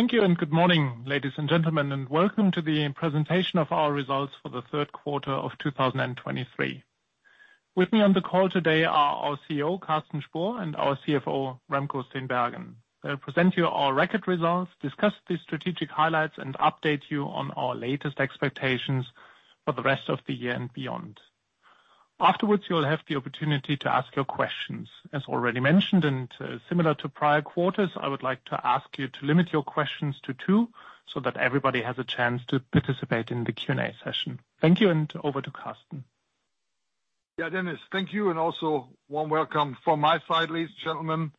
Thank you, and good morning, ladies and gentlemen, and welcome to the presentation of our results for the Q3 of 2023. With me on the call today are our CEO, Carsten Spohr, and our CFO, Remco Steenbergen. They'll present you our record results, discuss the strategic highlights, and update you on our latest expectations for the rest of the year and beyond. Afterwards, you'll have the opportunity to ask your questions. As already mentioned, and, similar to prior quarters, I would like to ask you to limit your questions to two, so that everybody has a chance to participate in the Q&A session. Thank you, and over to Carsten. Yeah, Dennis, thank you, and also warm welcome from my side, ladies and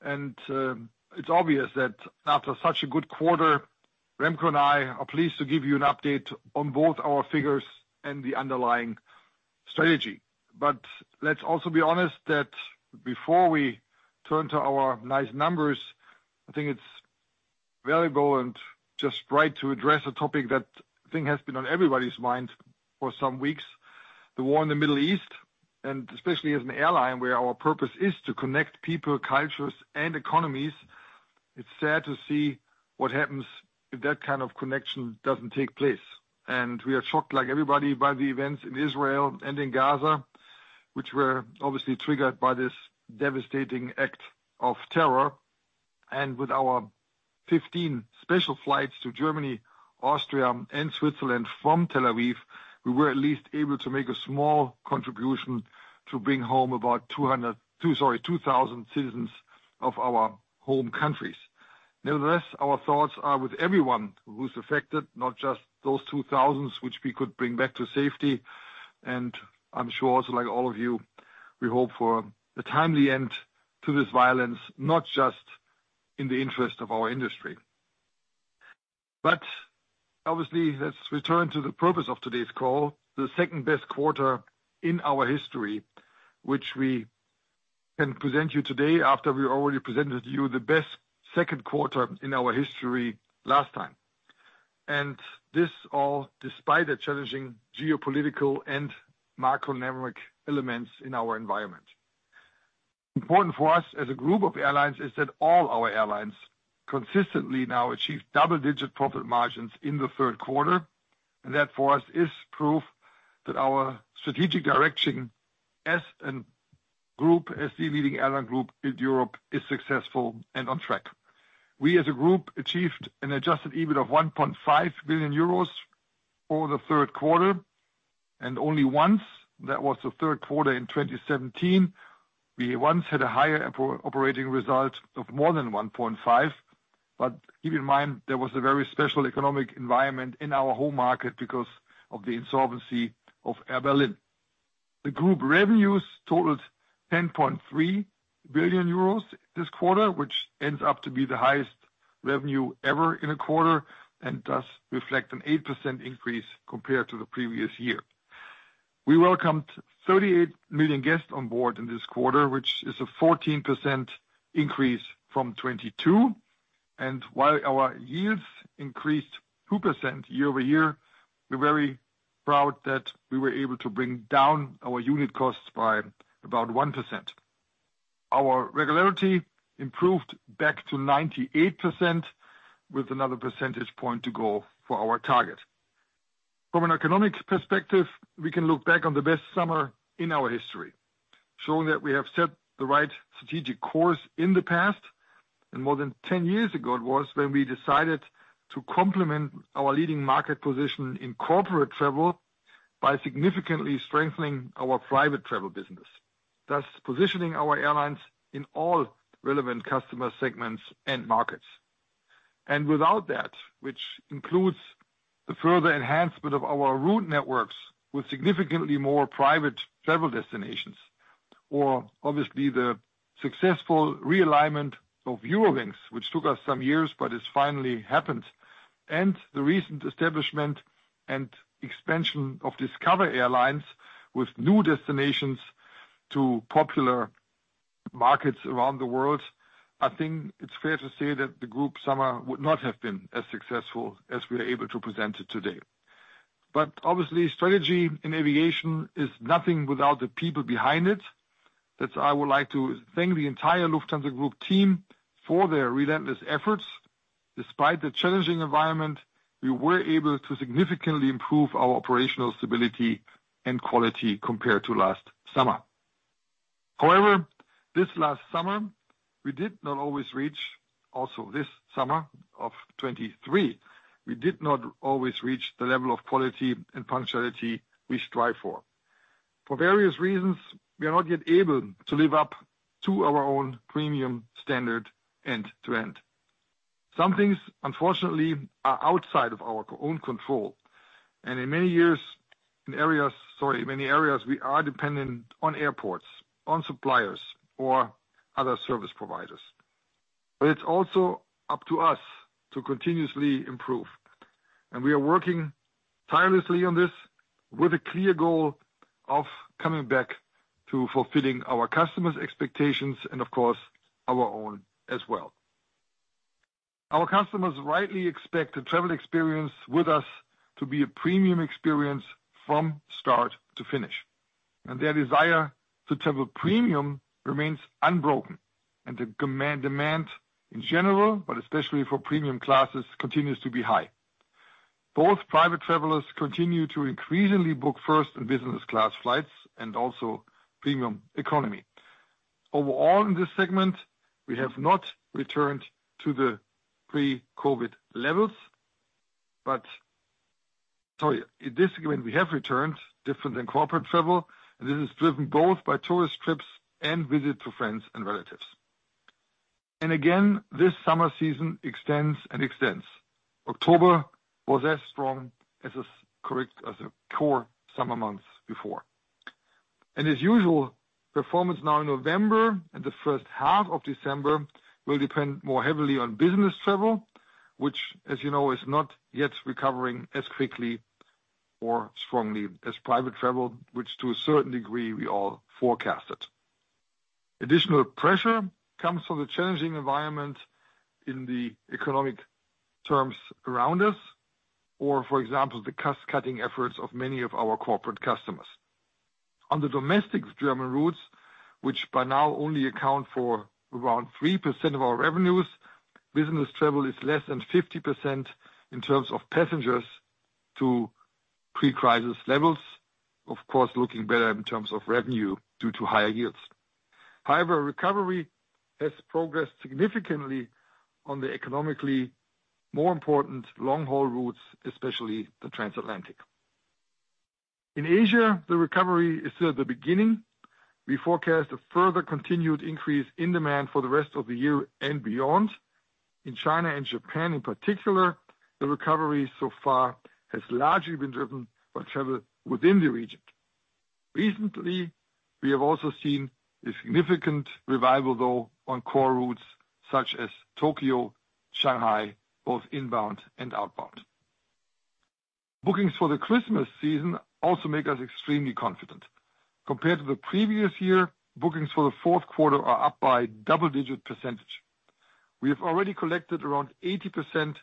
gentlemen. It's obvious that after such a good quarter, Remco and I are pleased to give you an update on both our figures and the underlying strategy. But let's also be honest, that before we turn to our nice numbers, I think it's valuable and just right to address a topic that I think has been on everybody's mind for some weeks, the war in the Middle East. And especially as an airline, where our purpose is to connect people, cultures, and economies, it's sad to see what happens if that kind of connection doesn't take place. And we are shocked, like everybody, by the events in Israel and in Gaza, which were obviously triggered by this devastating act of terror. With our 15 special flights to Germany, Austria, and Switzerland from Tel Aviv, we were at least able to make a small contribution to bring home about 202, sorry, 2,000 citizens of our home countries. Nevertheless, our thoughts are with everyone who's affected, not just those 2,000 which we could bring back to safety. And I'm sure, also, like all of you, we hope for a timely end to this violence, not just in the interest of our industry. But obviously, let's return to the purpose of today's call, the second best quarter in our history, which we can present you today after we already presented you the best Q2 in our history last time. And this all despite the challenging geopolitical and macroeconomic elements in our environment. Important for us as a group of airlines is that all our airlines consistently now achieve double-digit profit margins in the Q3, and that, for us, is proof that our strategic direction as a group, as the leading airline group in Europe, is successful and on track. We, as a group, achieved an adjusted EBIT of 1.5 billion euros over the Q3, and only once, that was the Q3 in 2017, we once had a higher pro-operating result of more than 1.5. But keep in mind, there was a very special economic environment in our home market because of the insolvency of Air Berlin. The group revenues totaled 10.3 billion euros this quarter, which ends up to be the highest revenue ever in a quarter and thus reflect an 8% increase compared to the previous year. We welcomed 38 million guests on board in this quarter, which is a 14% increase from 2022, and while our yields increased 2% year-over-year, we're very proud that we were able to bring down our unit costs by about 1%. Our regularity improved back to 98%, with another percentage point to go for our target. From an economics perspective, we can look back on the best summer in our history, showing that we have set the right strategic course in the past, and more than 10 years ago, it was when we decided to complement our leading market position in corporate travel by significantly strengthening our private travel business, thus positioning our airlines in all relevant customer segments and markets. And without that, which includes the further enhancement of our route networks with significantly more private travel destinations, or obviously the successful realignment of Eurowings, which took us some years, but it's finally happened, and the recent establishment and expansion of Discover Airlines with new destinations to popular markets around the world, I think it's fair to say that the group summer would not have been as successful as we are able to present it today. But obviously, strategy in aviation is nothing without the people behind it. Thus, I would like to thank the entire Lufthansa Group team for their relentless efforts. Despite the challenging environment, we were able to significantly improve our operational stability and quality compared to last summer. However, this last summer, we did not always reach, also this summer of 2023, we did not always reach the level of quality and punctuality we strive for. For various reasons, we are not yet able to live up to our own premium standard end to end. Some things, unfortunately, are outside of our own control, and in areas, sorry, many areas, we are dependent on airports, on suppliers, or other service providers. But it's also up to us to continuously improve, and we are working tirelessly on this with a clear goal of coming back to fulfilling our customers' expectations and, of course, our own as well. Our customers rightly expect the travel experience with us to be a premium experience from start to finish... and their desire to travel premium remains unbroken, and the demand, demand in general, but especially for premium classes, continues to be high. Both private travelers continue to increasingly book first and business class flights, and also premium economy. Overall, in this segment, we have not returned to the pre-COVID levels, but - sorry, in this segment, we have returned, different than corporate travel, and this is driven both by tourist trips and visits to friends and relatives. And again, this summer season extends and extends. October was as strong as a, correct, as the core summer months before. And as usual, performance now in November and the first half of December will depend more heavily on business travel, which, as you know, is not yet recovering as quickly or strongly as private travel, which to a certain degree, we all forecasted. Additional pressure comes from the challenging environment in the economic terms around us, or, for example, the cost-cutting efforts of many of our corporate customers. On the domestic German routes, which by now only account for around 3% of our revenues, business travel is less than 50% in terms of passengers to pre-crisis levels. Of course, looking better in terms of revenue due to higher yields. However, recovery has progressed significantly on the economically more important long-haul routes, especially the transatlantic. In Asia, the recovery is still at the beginning. We forecast a further continued increase in demand for the rest of the year and beyond. In China and Japan, in particular, the recovery so far has largely been driven by travel within the region. Recently, we have also seen a significant revival, though, on core routes such as Tokyo, Shanghai, both inbound and outbound. Bookings for the Christmas season also make us extremely confident. Compared to the previous year, bookings for the Q4 are up by double-digit %. We have already collected around 80%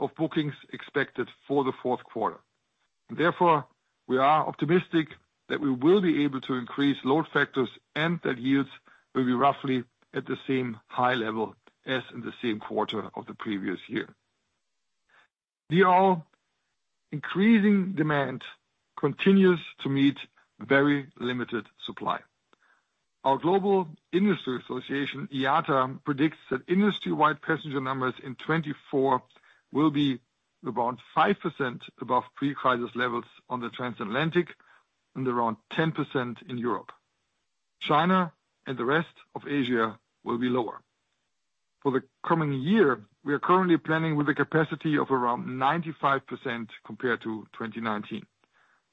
of bookings expected for the Q4. Therefore, we are optimistic that we will be able to increase load factors and that yields will be roughly at the same high level as in the same quarter of the previous year. The ever increasing demand continues to meet very limited supply. Our global industry association, IATA, predicts that industry-wide passenger numbers in 2024 will be around 5% above pre-crisis levels on the transatlantic and around 10% in Europe. China and the rest of Asia will be lower. For the coming year, we are currently planning with a capacity of around 95% compared to 2019.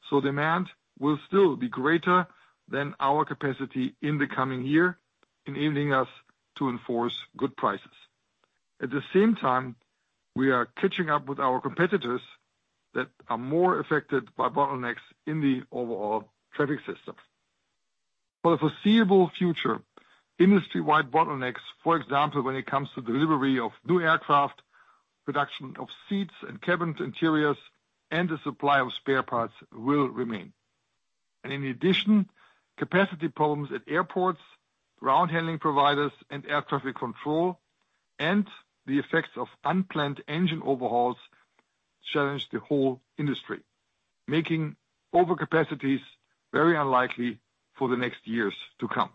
So demand will still be greater than our capacity in the coming year, enabling us to enforce good prices. At the same time, we are catching up with our competitors that are more affected by bottlenecks in the overall traffic system. For the foreseeable future, industry-wide bottlenecks, for example, when it comes to delivery of new aircraft, production of seats and cabin interiors, and the supply of spare parts, will remain. In addition, capacity problems at airports, ground handling providers, and air traffic control, and the effects of unplanned engine overhauls challenge the whole industry, making overcapacities very unlikely for the next years to come.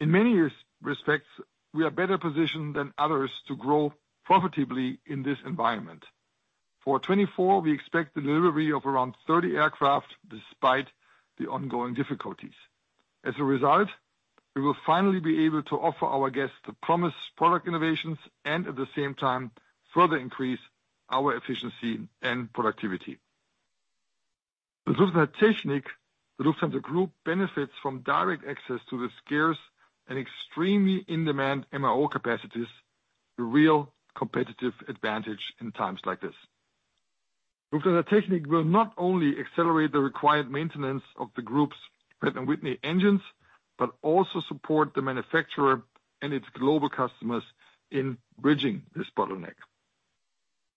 In many respects, we are better positioned than others to grow profitably in this environment. For 2024, we expect the delivery of around 30 aircraft, despite the ongoing difficulties. As a result, we will finally be able to offer our guests the promised product innovations and, at the same time, further increase our efficiency and productivity. The Lufthansa Technik, the Lufthansa Group, benefits from direct access to the scarce and extremely in-demand MRO capacities, a real competitive advantage in times like this. Lufthansa Technik will not only accelerate the required maintenance of the group's Pratt & Whitney engines, but also support the manufacturer and its global customers in bridging this bottleneck.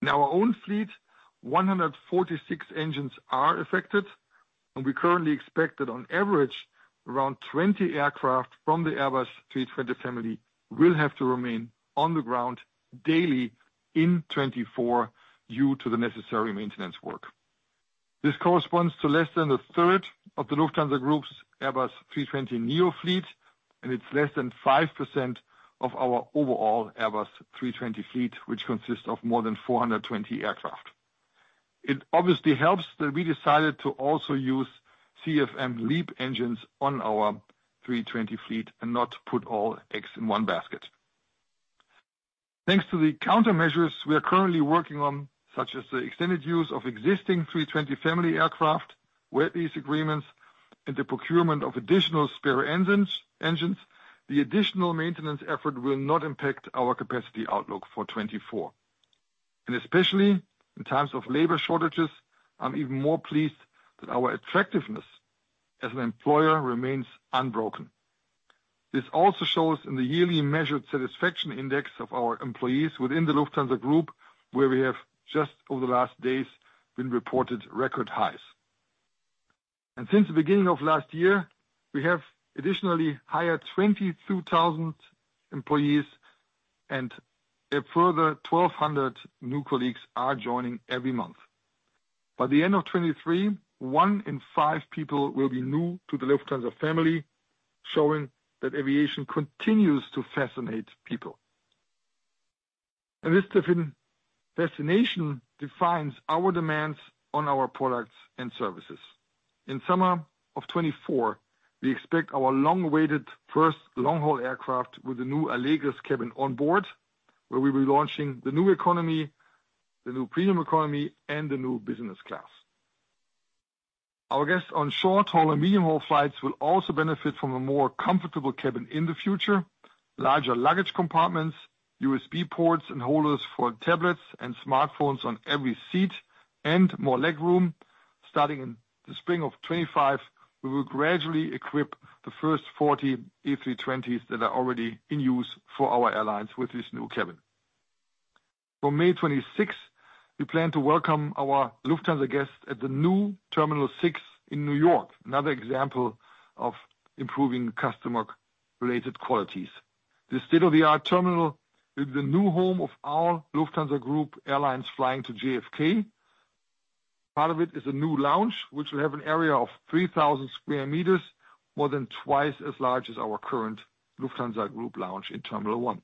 In our own fleet, 146 engines are affected, and we currently expect that on average, around 20 aircraft from the Airbus A320 family will have to remain on the ground daily in 2024 due to the necessary maintenance work. This corresponds to less than a third of the Lufthansa Group's Airbus A320neo fleet, and it's less than 5% of our overall Airbus A320 fleet, which consists of more than 420 aircraft. It obviously helps that we decided to also use CFM LEAP engines on our A320 fleet and not put all eggs in one basket. Thanks to the countermeasures we are currently working on, such as the extended use of existing A320 family aircraft, wet lease agreements, and the procurement of additional spare engines, the additional maintenance effort will not impact our capacity outlook for 2024. Especially in times of labor shortages, I'm even more pleased that our attractiveness as an employer remains unbroken.... This also shows in the yearly measured satisfaction index of our employees within the Lufthansa Group, where we have just over the last days been reported record highs. Since the beginning of last year, we have additionally hired 22,000 employees, and a further 1,200 new colleagues are joining every month. By the end of 2023, one in five people will be new to the Lufthansa family, showing that aviation continues to fascinate people. And this fascination defines our demands on our products and services. In summer of 2024, we expect our long-awaited first long-haul aircraft with the new Allegris cabin on board, where we'll be launching the new economy, the new premium economy, and the new business class. Our guests on short-haul and medium-haul flights will also benefit from a more comfortable cabin in the future, larger luggage compartments, USB ports, and holders for tablets and smartphones on every seat, and more legroom. Starting in the spring of 2025, we will gradually equip the first 40 A320s that are already in use for our airlines with this new cabin. From May 26th, we plan to welcome our Lufthansa guests at the new Terminal 6 in New York, another example of improving customer-related qualities. The state-of-the-art terminal is the new home of our Lufthansa Group airlines flying to JFK. Part of it is a new lounge, which will have an area of 3,000 square meters, more than twice as large as our current Lufthansa Group lounge in Terminal 1.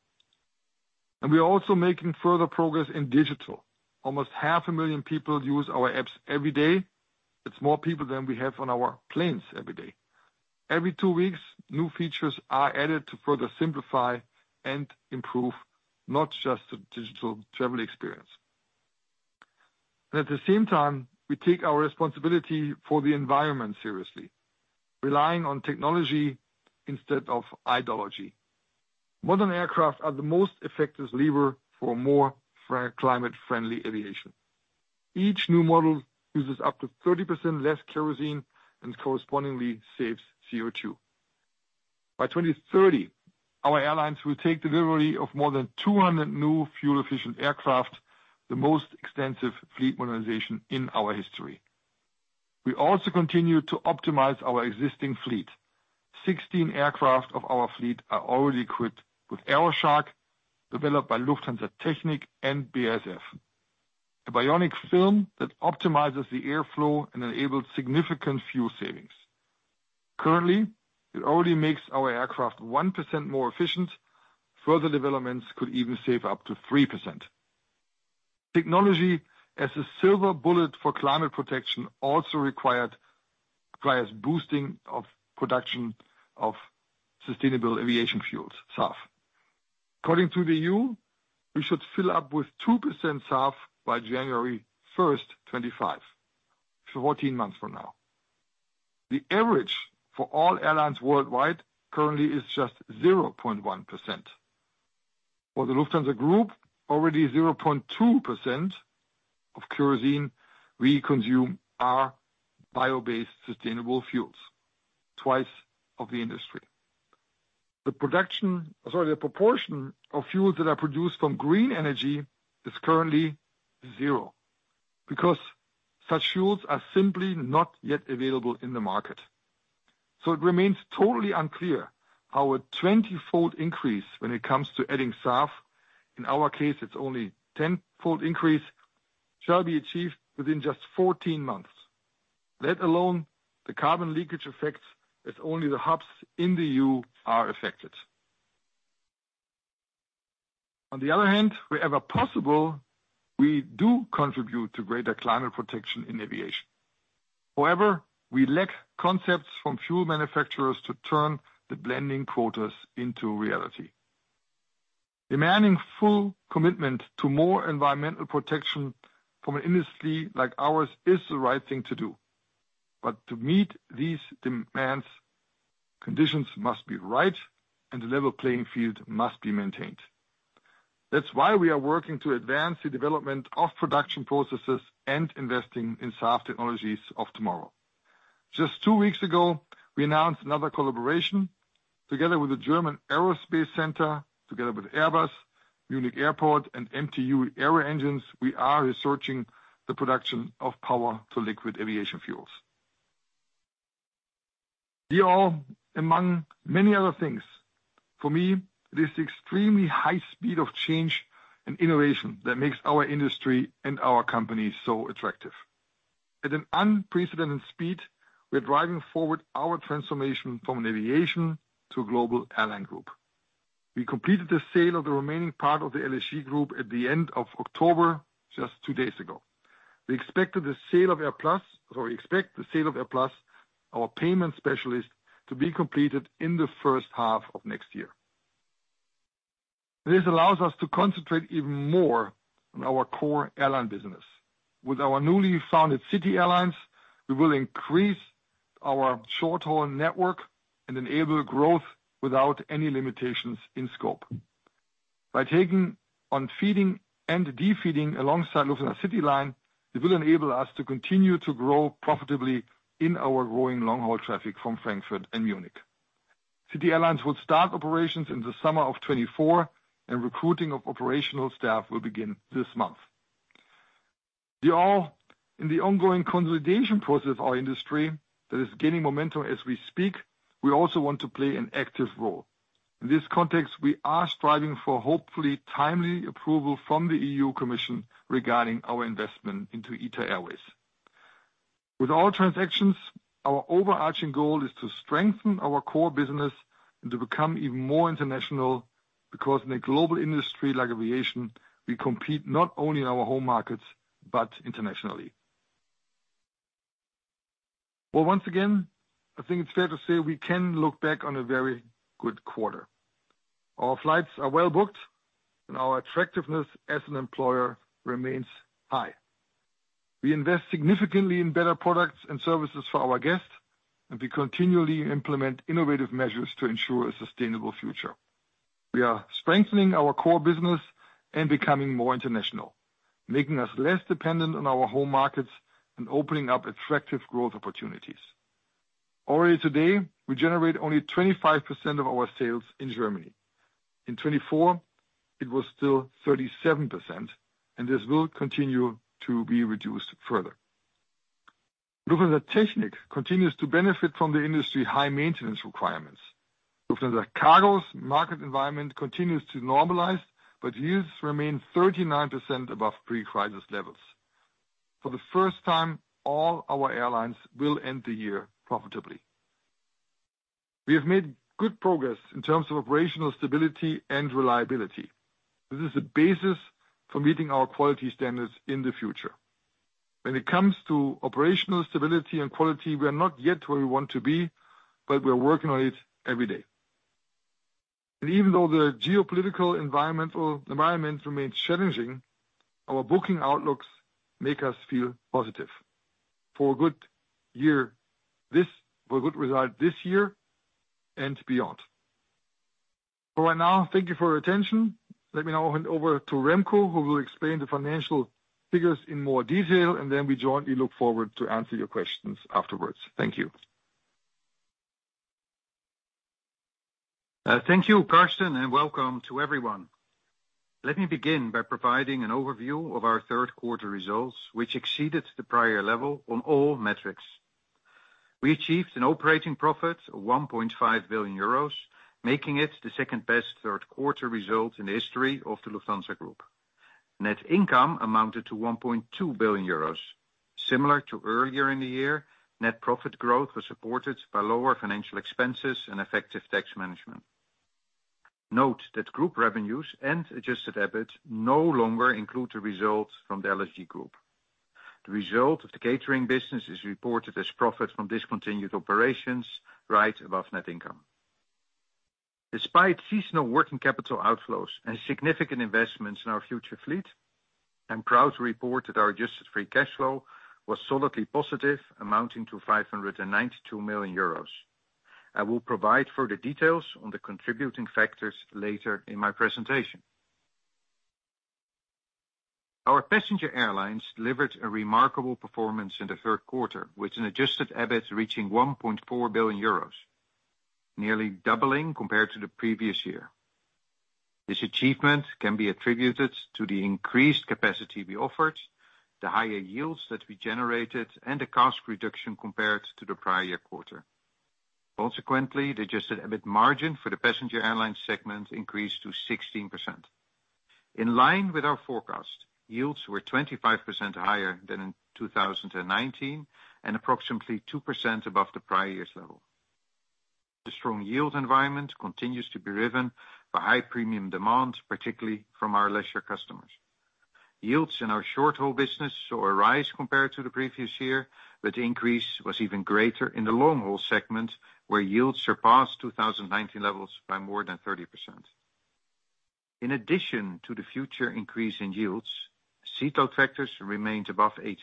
We are also making further progress in digital. Almost 500,000 people use our apps every day. It's more people than we have on our planes every day. Every two weeks, new features are added to further simplify and improve not just the digital travel experience. At the same time, we take our responsibility for the environment seriously, relying on technology instead of ideology. Modern aircraft are the most effective lever for more climate-friendly aviation. Each new model uses up to 30% less kerosene and correspondingly saves CO2. By 2030, our airlines will take delivery of more than 200 new fuel-efficient aircraft, the most extensive fleet modernization in our history. We also continue to optimize our existing fleet. Sixteen aircraft of our fleet are already equipped with AeroSHARK, developed by Lufthansa Technik and BASF, a bionic film that optimizes the airflow and enables significant fuel savings. Currently, it already makes our aircraft 1% more efficient. Further developments could even save up to 3%. Technology as a silver bullet for climate protection also required, requires boosting of production of sustainable aviation fuels, SAF. According to the EU, we should fill up with 2% SAF by January 1, 2025, so 14 months from now. The average for all airlines worldwide currently is just 0.1%. For the Lufthansa Group, already 0.2% of kerosene we consume are bio-based sustainable fuels, twice of the industry. The production, sorry, the proportion of fuels that are produced from green energy is currently zero, because such fuels are simply not yet available in the market. So it remains totally unclear how a 20-fold increase when it comes to adding SAF, in our case, it's only 10-fold increase, shall be achieved within just 14 months, let alone the carbon leakage effects, as only the hubs in the EU are affected. On the other hand, wherever possible, we do contribute to greater climate protection in aviation. However, we lack concepts from fuel manufacturers to turn the blending quotas into reality. Demanding full commitment to more environmental protection from an industry like ours is the right thing to do, but to meet these demands, conditions must be right and the level playing field must be maintained. That's why we are working to advance the development of production processes and investing in SAF technologies of tomorrow. Just two weeks ago, we announced another collaboration together with the German Aerospace Center. Together with Airbus, Munich Airport, and MTU Aero Engines, we are researching the production of power-to-liquid aviation fuels. These are, among many other things, for me, this extremely high speed of change and innovation that makes our industry and our company so attractive. At an unprecedented speed, we're driving forward our transformation from an aviation to a global airline group. We completed the sale of the remaining part of the LSG Group at the end of October, just two days ago. We expected the sale of AirPlus, or we expect the sale of AirPlus, our payment specialist, to be completed in the first half of next year. This allows us to concentrate even more on our core airline business. With our newly founded City Airlines, we will increase our short-haul network and enable growth without any limitations in scope. By taking on feeding and defeeding alongside Lufthansa CityLine, it will enable us to continue to grow profitably in our growing long-haul traffic from Frankfurt and Munich. City Airlines will start operations in the summer of 2024, and recruiting of operational staff will begin this month. We are all in the ongoing consolidation process of our industry that is gaining momentum as we speak. We also want to play an active role. In this context, we are striving for hopefully timely approval from the EU Commission regarding our investment into ITA Airways. With all transactions, our overarching goal is to strengthen our core business and to become even more international, because in a global industry like aviation, we compete not only in our home markets, but internationally. Well, once again, I think it's fair to say we can look back on a very good quarter. Our flights are well booked, and our attractiveness as an employer remains high. We invest significantly in better products and services for our guests, and we continually implement innovative measures to ensure a sustainable future. We are strengthening our core business and becoming more international, making us less dependent on our home markets and opening up attractive growth opportunities. Already today, we generate only 25% of our sales in Germany. In 2024, it was still 37%, and this will continue to be reduced further. Lufthansa Technik continues to benefit from the industry high maintenance requirements. Lufthansa Cargo's market environment continues to normalize, but yields remain 39% above pre-crisis levels. For the first time, all our airlines will end the year profitably. We have made good progress in terms of operational stability and reliability. This is the basis for meeting our quality standards in the future. When it comes to operational stability and quality, we are not yet where we want to be, but we are working on it every day. Even though the geopolitical environment remains challenging, our booking outlooks make us feel positive for a good year this year and for good result this year and beyond. For right now, thank you for your attention. Let me now hand over to Remco, who will explain the financial figures in more detail, and then we jointly look forward to answer your questions afterwards. Thank you. Thank you, Carsten, and welcome to everyone. Let me begin by providing an overview of our Q3 results, which exceeded the prior level on all metrics. We achieved an operating profit of 1.5 billion euros, making it the second best Q3 result in the history of the Lufthansa Group. Net income amounted to 1.2 billion euros. Similar to earlier in the year, net profit growth was supported by lower financial expenses and effective tax management. Note that group revenues and adjusted EBIT no longer include the results from the LSG group. The result of the catering business is reported as profit from discontinued operations right above net income. Despite seasonal working capital outflows and significant investments in our future fleet, I'm proud to report that our adjusted free cash flow was solidly positive, amounting to 592 million euros. I will provide further details on the contributing factors later in my presentation. Our passenger airlines delivered a remarkable performance in the Q3, with an adjusted EBIT reaching EUR 1.4 billion, nearly doubling compared to the previous year. This achievement can be attributed to the increased capacity we offered, the higher yields that we generated, and the cost reduction compared to the prior quarter. Consequently, the adjusted EBIT margin for the passenger airlines segment increased to 16%. In line with our forecast, yields were 25% higher than in 2019, and approximately 2% above the prior year's level. The strong yield environment continues to be driven by high premium demand, particularly from our leisure customers. Yields in our short-haul business saw a rise compared to the previous year, but the increase was even greater in the long-haul segment, where yields surpassed 2019 levels by more than 30%. In addition to the future increase in yields, seat load factors remained above 86%.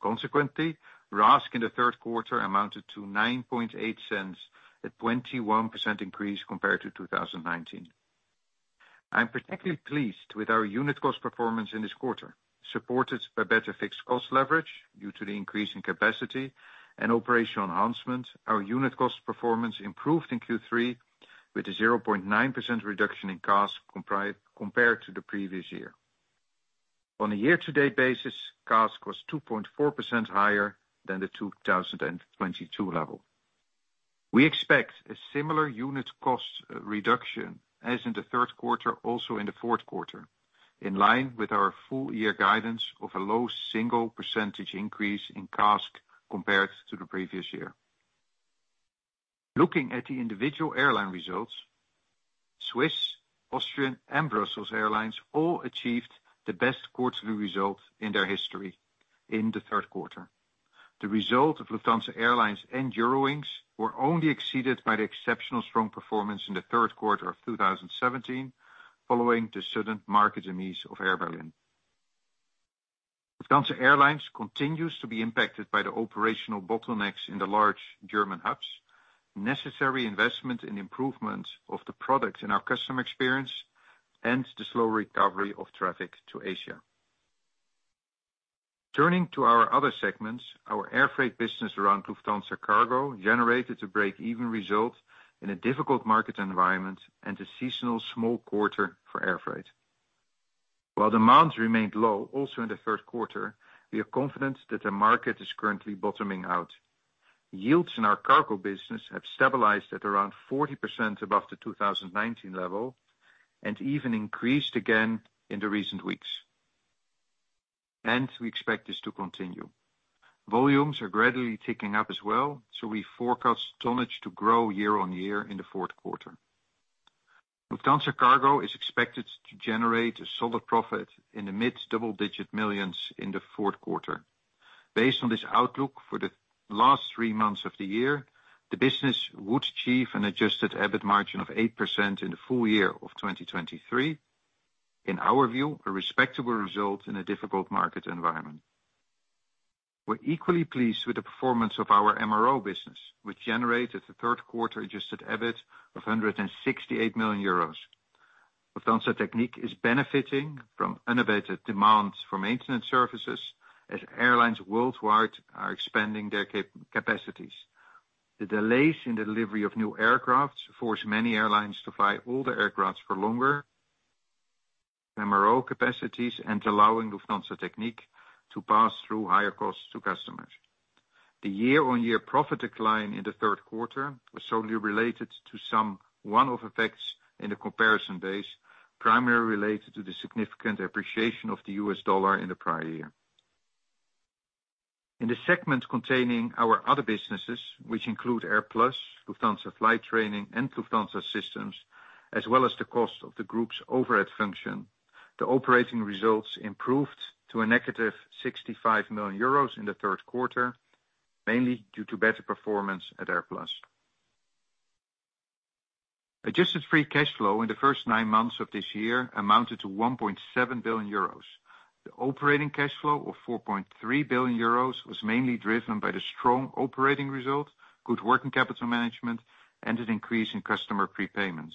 Consequently, RASK in the Q3 amounted to 9.8 cents, a 21% increase compared to 2019. I'm particularly pleased with our unit cost performance in this quarter, supported by better fixed cost leverage due to the increase in capacity and operational enhancement. Our unit cost performance improved in Q3, with a 0.9% reduction in CASK compared to the previous year. On a year-to-date basis, CASK was 2.4% higher than the 2022 level. We expect a similar unit cost reduction as in the Q3, also in the Q4, in line with our full year guidance of a low single percentage increase in CASK compared to the previous year. Looking at the individual airline results, SWISS, Austrian Airlines, and Brussels Airlines all achieved the best quarterly result in their history in the Q3. The result of Lufthansa Airlines and Eurowings were only exceeded by the exceptional strong performance in the Q3 of 2017, following the sudden market demise of Air Berlin. Lufthansa Airlines continues to be impacted by the operational bottlenecks in the large German hubs, necessary investment and improvement of the product and our customer experience, and the slow recovery of traffic to Asia. Turning to our other segments, our airfreight business around Lufthansa Cargo generated a break-even result in a difficult market environment and a seasonal small quarter for airfreight. While demand remained low, also in the Q3, we are confident that the market is currently bottoming out. Yields in our cargo business have stabilized at around 40% above the 2019 level, and even increased again in the recent weeks. We expect this to continue. Volumes are gradually ticking up as well, so we forecast tonnage to grow year-on-year in the Q4. Lufthansa Cargo is expected to generate a solid profit in the mid double-digit millions in the Q4. Based on this outlook for the last three months of the year, the business would achieve an adjusted EBIT margin of 8% in the full year of 2023. In our view, a respectable result in a difficult market environment. We're equally pleased with the performance of our MRO business, which generated a Q3 adjusted EBIT of 168 million euros. Lufthansa Technik is benefiting from unabated demand for maintenance services, as airlines worldwide are expanding their capacities. The delays in the delivery of new aircraft force many airlines to fly older aircraft for longer MRO capacities and allowing Lufthansa Technik to pass through higher costs to customers. The year-on-year profit decline in the Q3 was solely related to some one-off effects in the comparison base, primarily related to the significant appreciation of the U.S. dollar in the prior year. In the segment containing our other businesses, which include AirPlus, Lufthansa Flight Training, and Lufthansa Systems, as well as the cost of the group's overhead function, the operating results improved to a negative 65 million euros in the Q3, mainly due to better performance at AirPlus. Adjusted free cash flow in the first nine months of this year amounted to 1.7 billion euros. The operating cash flow of 4.3 billion euros was mainly driven by the strong operating result, good working capital management, and an increase in customer prepayments.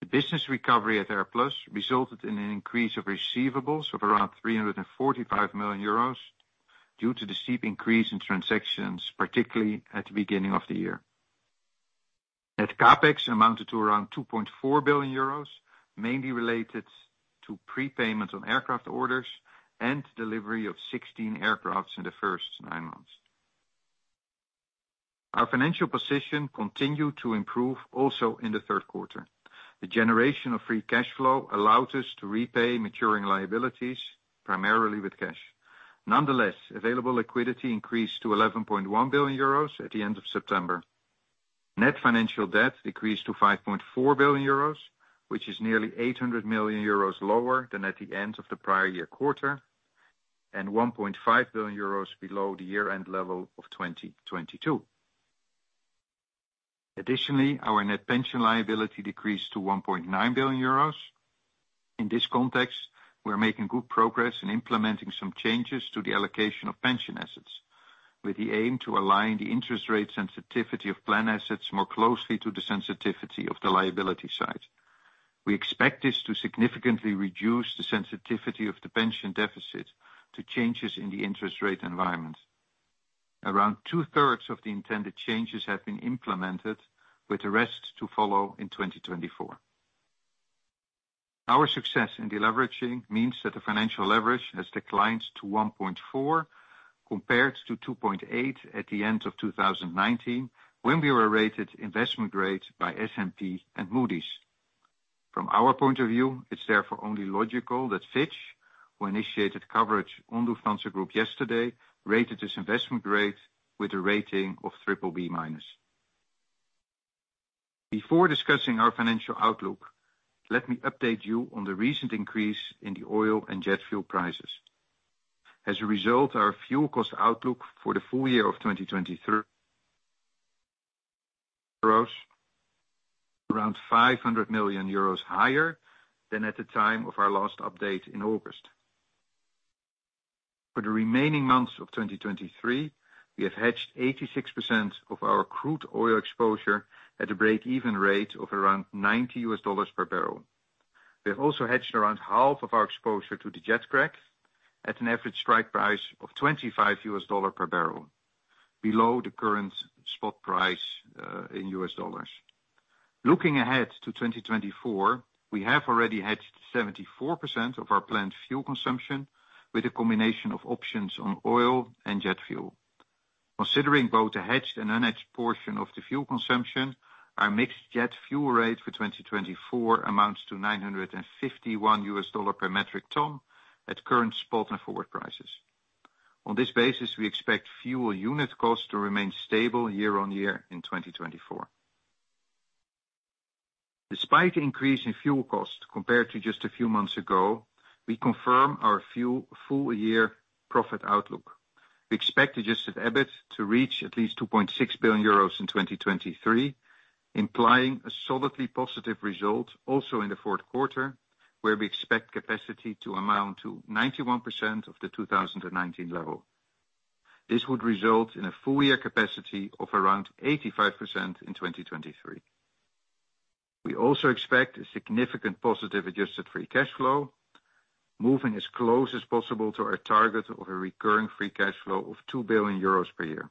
The business recovery at AirPlus resulted in an increase of receivables of around 345 million euros, due to the steep increase in transactions, particularly at the beginning of the year. Net CapEx amounted to around 2.4 billion euros, mainly related to prepayment on aircraft orders and delivery of 16 aircraft in the first nine months. Our financial position continued to improve also in the Q3. The generation of free cash flow allowed us to repay maturing liabilities, primarily with cash. Nonetheless, available liquidity increased to 11.1 billion euros at the end of September. Net financial debt decreased to 5.4 billion euros, which is nearly 800 million euros lower than at the end of the prior year quarter, and 1.5 billion euros below the year-end level of 2022. Additionally, our net pension liability decreased to 1.9 billion euros. In this context, we are making good progress in implementing some changes to the allocation of pension assets, with the aim to align the interest rate sensitivity of plan assets more closely to the sensitivity of the liability side. We expect this to significantly reduce the sensitivity of the pension deficit to changes in the interest rate environment. Around two-thirds of the intended changes have been implemented, with the rest to follow in 2024. Our success in deleveraging means that the financial leverage has declined to 1.4, compared to 2.8 at the end of 2019, when we were rated investment grade by S&P and Moody's. From our point of view, it's therefore only logical that Fitch, who initiated coverage on Lufthansa Group yesterday, rated this investment grade with a rating of BBB-. Before discussing our financial outlook, let me update you on the recent increase in the oil and jet crack prices. As a result, our fuel cost outlook for the full year of 2023 rose around 500 million euros higher than at the time of our last update in August. For the remaining months of 2023, we have hedged 86% of our crude oil exposure at a break-even rate of around $90 per barrel. We have also hedged around half of our exposure to the jet crack at an average strike price of $25 per barrel, below the current spot price in US dollars. Looking ahead to 2024, we have already hedged 74% of our planned fuel consumption with a combination of options on oil and jet fuel. Considering both the hedged and unhedged portion of the fuel consumption, our mixed jet fuel rate for 2024 amounts to $951 per metric ton at current spot and forward prices. On this basis, we expect fuel unit costs to remain stable year-on-year in 2024. Despite the increase in fuel costs compared to just a few months ago, we confirm our fuel, full-year profit outlook. We expect adjusted EBIT to reach at least 2.6 billion euros in 2023, implying a solidly positive result also in the Q4, where we expect capacity to amount to 91% of the 2019 level. This would result in a full-year capacity of around 85% in 2023. We also expect a significant positive adjusted free cash flow, moving as close as possible to our target of a recurring free cash flow of 2 billion euros per year.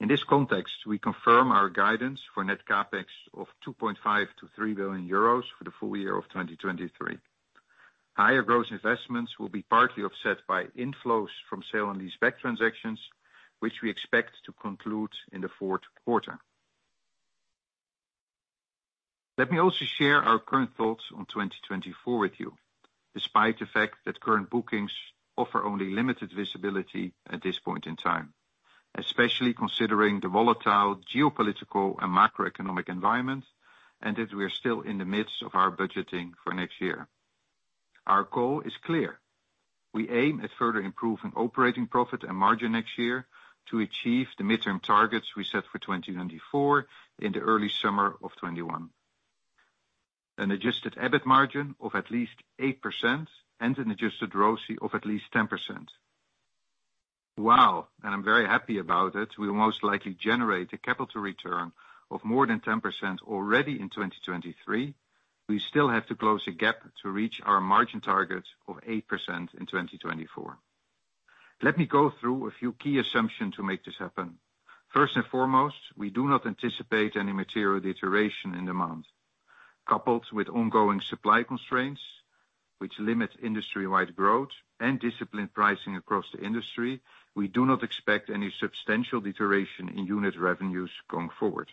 In this context, we confirm our guidance for net CapEx of 2.5-3 billion euros for the full year of 2023. Higher gross investments will be partly offset by inflows from sale and leaseback transactions, which we expect to conclude in the Q4. Let me also share our current thoughts on 2024 with you, despite the fact that current bookings offer only limited visibility at this point in time, especially considering the volatile geopolitical and macroeconomic environment, and that we are still in the midst of our budgeting for next year. Our goal is clear: we aim at further improving operating profit and margin next year to achieve the midterm targets we set for 2024 in the early summer of 2021. An adjusted EBIT margin of at least 8% and an adjusted ROCE of at least 10%. While, and I'm very happy about it, we'll most likely generate a capital return of more than 10% already in 2023, we still have to close a gap to reach our margin target of 8% in 2024. Let me go through a few key assumptions to make this happen. First and foremost, we do not anticipate any material deterioration in demand. Coupled with ongoing supply constraints, which limit industry-wide growth and disciplined pricing across the industry, we do not expect any substantial deterioration in unit revenues going forward.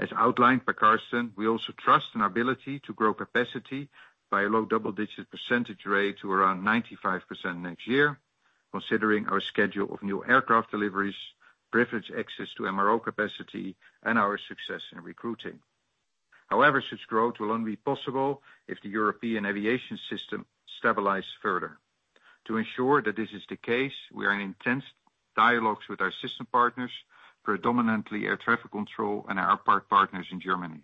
As outlined by Carsten, we also trust in our ability to grow capacity by a low double-digit percentage rate to around 95% next year, considering our schedule of new aircraft deliveries, privileged access to MRO capacity, and our success in recruiting. However, such growth will only be possible if the European aviation system stabilizes further. To ensure that this is the case, we are in intense dialogues with our system partners, predominantly air traffic control and our partners in Germany.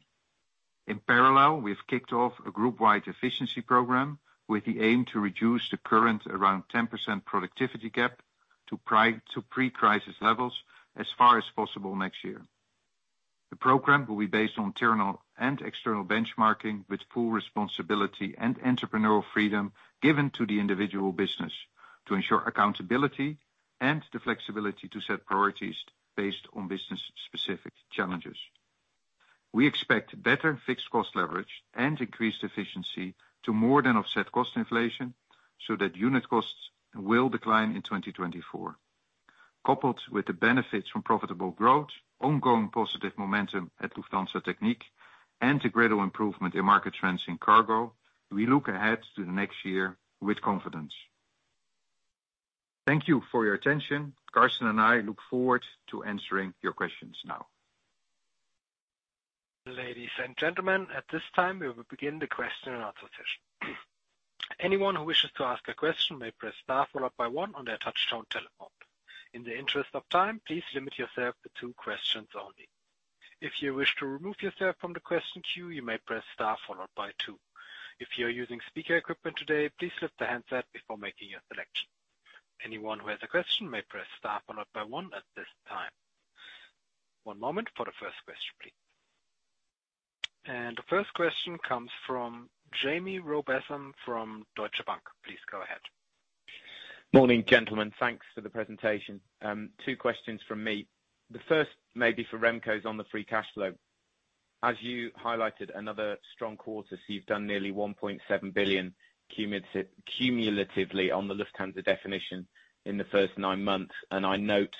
In parallel, we have kicked off a group-wide efficiency program with the aim to reduce the current around 10% productivity gap to pre-crisis levels as far as possible next year. The program will be based on internal and external benchmarking, with full responsibility and entrepreneurial freedom given to the individual business to ensure accountability and the flexibility to set priorities based on business-specific challenges. We expect better fixed cost leverage and increased efficiency to more than offset cost inflation, so that unit costs will decline in 2024. Coupled with the benefits from profitable growth, ongoing positive momentum at Lufthansa Technik, and the gradual improvement in market trends in cargo, we look ahead to the next year with confidence. Thank you for your attention. Carsten and I look forward to answering your questions now. Ladies and gentlemen, at this time, we will begin the question and answer session. Anyone who wishes to ask a question may press star followed by one on their touchtone telephone. In the interest of time, please limit yourself to two questions only. If you wish to remove yourself from the question queue, you may press star followed by two. If you're using speaker equipment today, please lift the handset before making your selection. Anyone who has a question may press star followed by one at this time. One moment for the first question, please. And the first question comes from Jamie Rowbotham from Deutsche Bank. Please go ahead. Morning, gentlemen. Thanks for the presentation. Two questions from me. The first, maybe for Remco, is on the free cash flow. As you highlighted, another strong quarter, so you've done nearly 1.7 billion cumulatively, cumulatively on the Lufthansa definition in the first nine months, and I note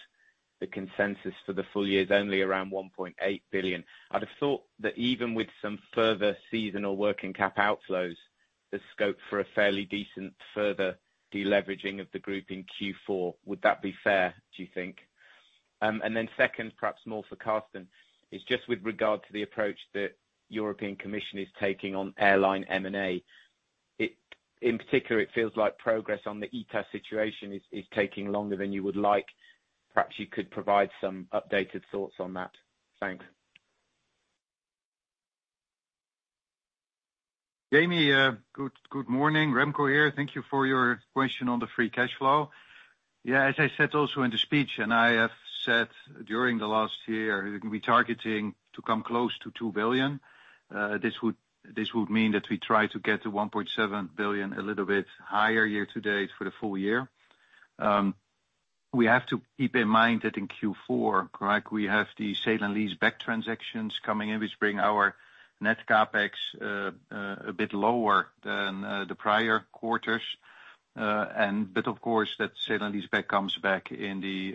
the consensus for the full year is only around 1.8 billion. I'd have thought that even with some further seasonal working cap outflows, the scope for a fairly decent further deleveraging of the group in Q4, would that be fair, do you think? And then second, perhaps more for Carsten, is just with regard to the approach that European Commission is taking on airline M&A. In particular, it feels like progress on the ITA's situation is taking longer than you would like. Perhaps you could provide some updated thoughts on that. Thanks. Jamie, good morning. Remco here. Thank you for your question on the Free Cash Flow. Yeah, as I said also in the speech, and I have said during the last year, we're targeting to come close to 2 billion. This would, this would mean that we try to get to 1.7 billion, a little bit higher year-to-date for the full year. We have to keep in mind that in Q4, correct, we have the sale and leaseback transactions coming in, which bring our net CapEx a bit lower than the prior quarters. But of course, that sale and leaseback comes back in the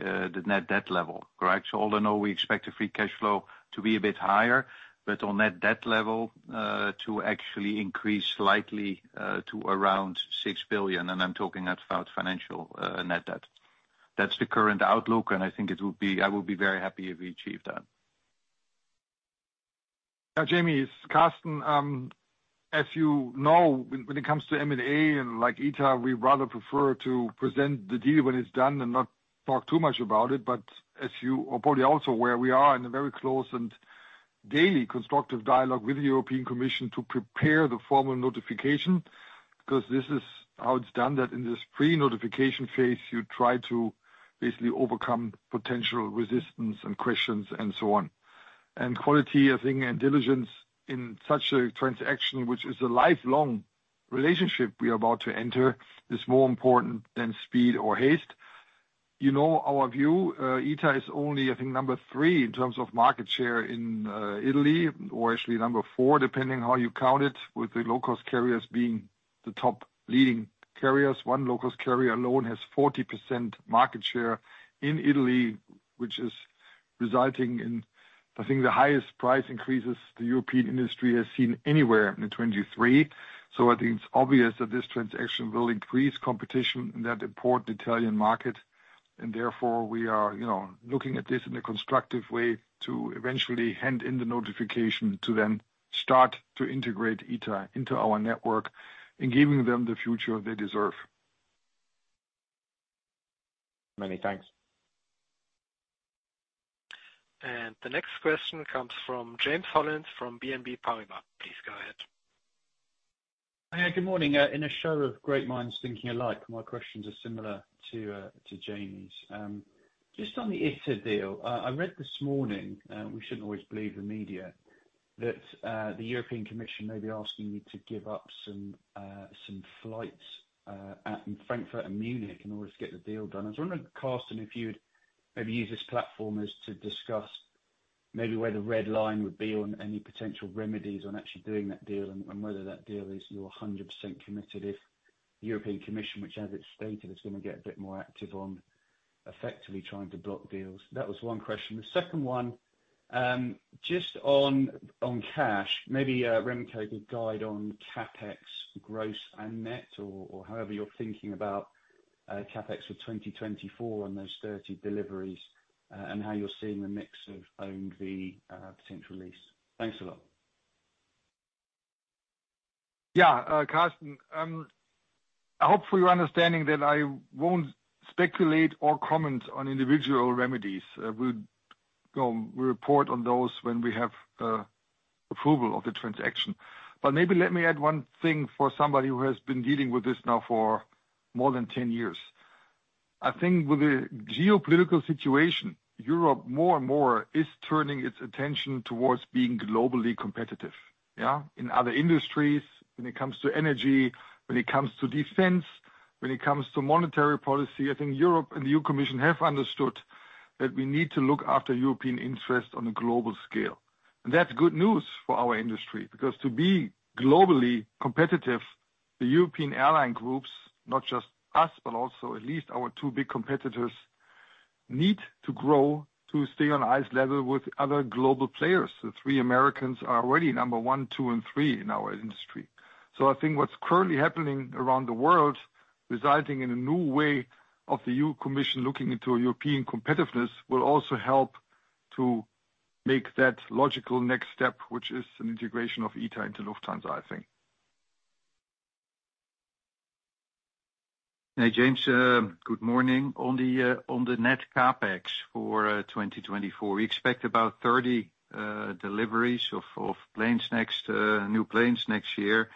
net debt level, correct? So although now we expect the free cash flow to be a bit higher, but on net debt level, to actually increase slightly, to around 6 billion, and I'm talking about financial net debt. That's the current outlook, and I think it would be - I would be very happy if we achieve that. ... Yeah, Jamie, it's Carsten. As you know, when it comes to M&A and like ITA, we rather prefer to present the deal when it's done and not talk too much about it. But as you are probably also aware, we are in a very close and daily constructive dialogue with the European Commission to prepare the formal notification. 'Cause this is how it's done, that in this pre-notification phase, you try to basically overcome potential resistance and questions and so on. And quality, I think, and diligence in such a transaction, which is a lifelong relationship we are about to enter, is more important than speed or haste. You know our view, ITA is only, I think, number three in terms of market share in Italy, or actually number four, depending how you count it, with the low-cost carriers being the top leading carriers. One low-cost carrier alone has 40% market share in Italy, which is resulting in, I think, the highest price increases the European industry has seen anywhere in 2023. So I think it's obvious that this transaction will increase competition in that important Italian market, and therefore, we are, you know, looking at this in a constructive way to eventually hand in the notification to then start to integrate ITA into our network and giving them the future they deserve. Many thanks. The next question comes from James Hollins from BNP Paribas. Please go ahead. Hi, good morning. In a show of great minds thinking alike, my questions are similar to Jamie's. Just on the ITA deal, I read this morning, we shouldn't always believe the media, that the European Commission may be asking you to give up some flights at Frankfurt and Munich in order to get the deal done. I was wondering, Carsten, if you'd maybe use this platform as to discuss maybe where the red line would be on any potential remedies on actually doing that deal and, and whether that deal is you're 100% committed, if the European Commission, which, as it's stated, is going to get a bit more active on effectively trying to block deals? That was one question. The second one, just on cash, maybe Remco could guide on CapEx, gross and net, or however you're thinking about CapEx for 2024 and those 30 deliveries, and how you're seeing the mix of owned versus potential lease. Thanks a lot. Yeah, Carsten. I hope you are understanding that I won't speculate or comment on individual remedies. We'll report on those when we have approval of the transaction. But maybe let me add one thing for somebody who has been dealing with this now for more than 10 years. I think with the geopolitical situation, Europe more and more is turning its attention towards being globally competitive. Yeah, in other industries, when it comes to energy, when it comes to defense, when it comes to monetary policy, I think Europe and the EU Commission have understood that we need to look after European interests on a global scale. That's good news for our industry, because to be globally competitive, the European airline groups, not just us, but also at least our two big competitors, need to grow to stay on eye level with other global players. The three Americans are already number one, two, and three in our industry. I think what's currently happening around the world, resulting in a new way of the EU Commission looking into European competitiveness, will also help to make that logical next step, which is an integration of ITA into Lufthansa, I think. Hey, James, good morning. On the net CapEx for 2024, we expect about 30 deliveries of new planes next year.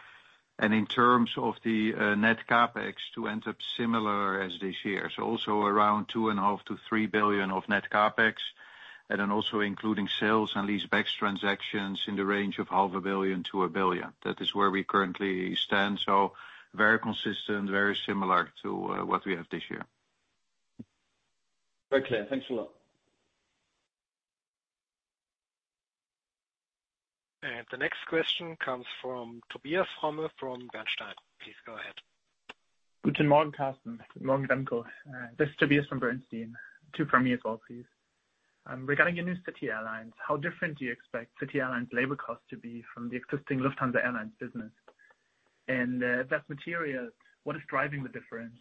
And in terms of the net CapEx to end up similar as this year. So also around 2.5-3 billion of net CapEx, and then also including sales and leasebacks transactions in the range of 0.5-1 billion. That is where we currently stand. So very consistent, very similar to what we have this year. Very clear. Thanks a lot. The next question comes from Tobias Fromme, from Bernstein. Please go ahead. Good morning, Carsten. Good morning, Remco. This is Tobias from Bernstein. Two from me as well, please. Regarding your new City Airlines, how different do you expect City Airlines' labor costs to be from the existing Lufthansa Airlines business? And, if that's material, what is driving the difference?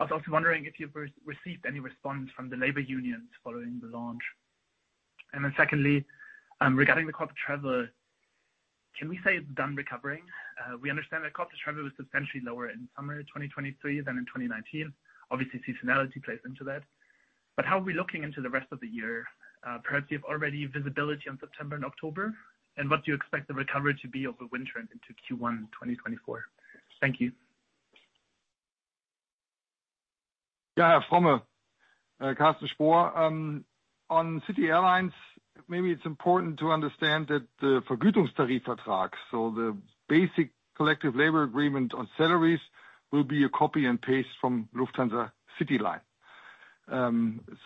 I was also wondering if you've received any response from the labor unions following the launch. And then secondly, regarding the corporate travel, can we say it's done recovering? We understand that corporate travel was substantially lower in summer 2023 than in 2019. Obviously, seasonality plays into that. But how are we looking into the rest of the year? Perhaps you have already visibility on September and October. And what do you expect the recovery to be over winter into Q1 2024? Thank you. Yeah, Fromme, Carsten Spohr. On City Airlines, maybe it's important to understand that the Vergütungstarifvertrag, so the basic collective labor agreement on salaries, will be a copy and paste from Lufthansa CityLine.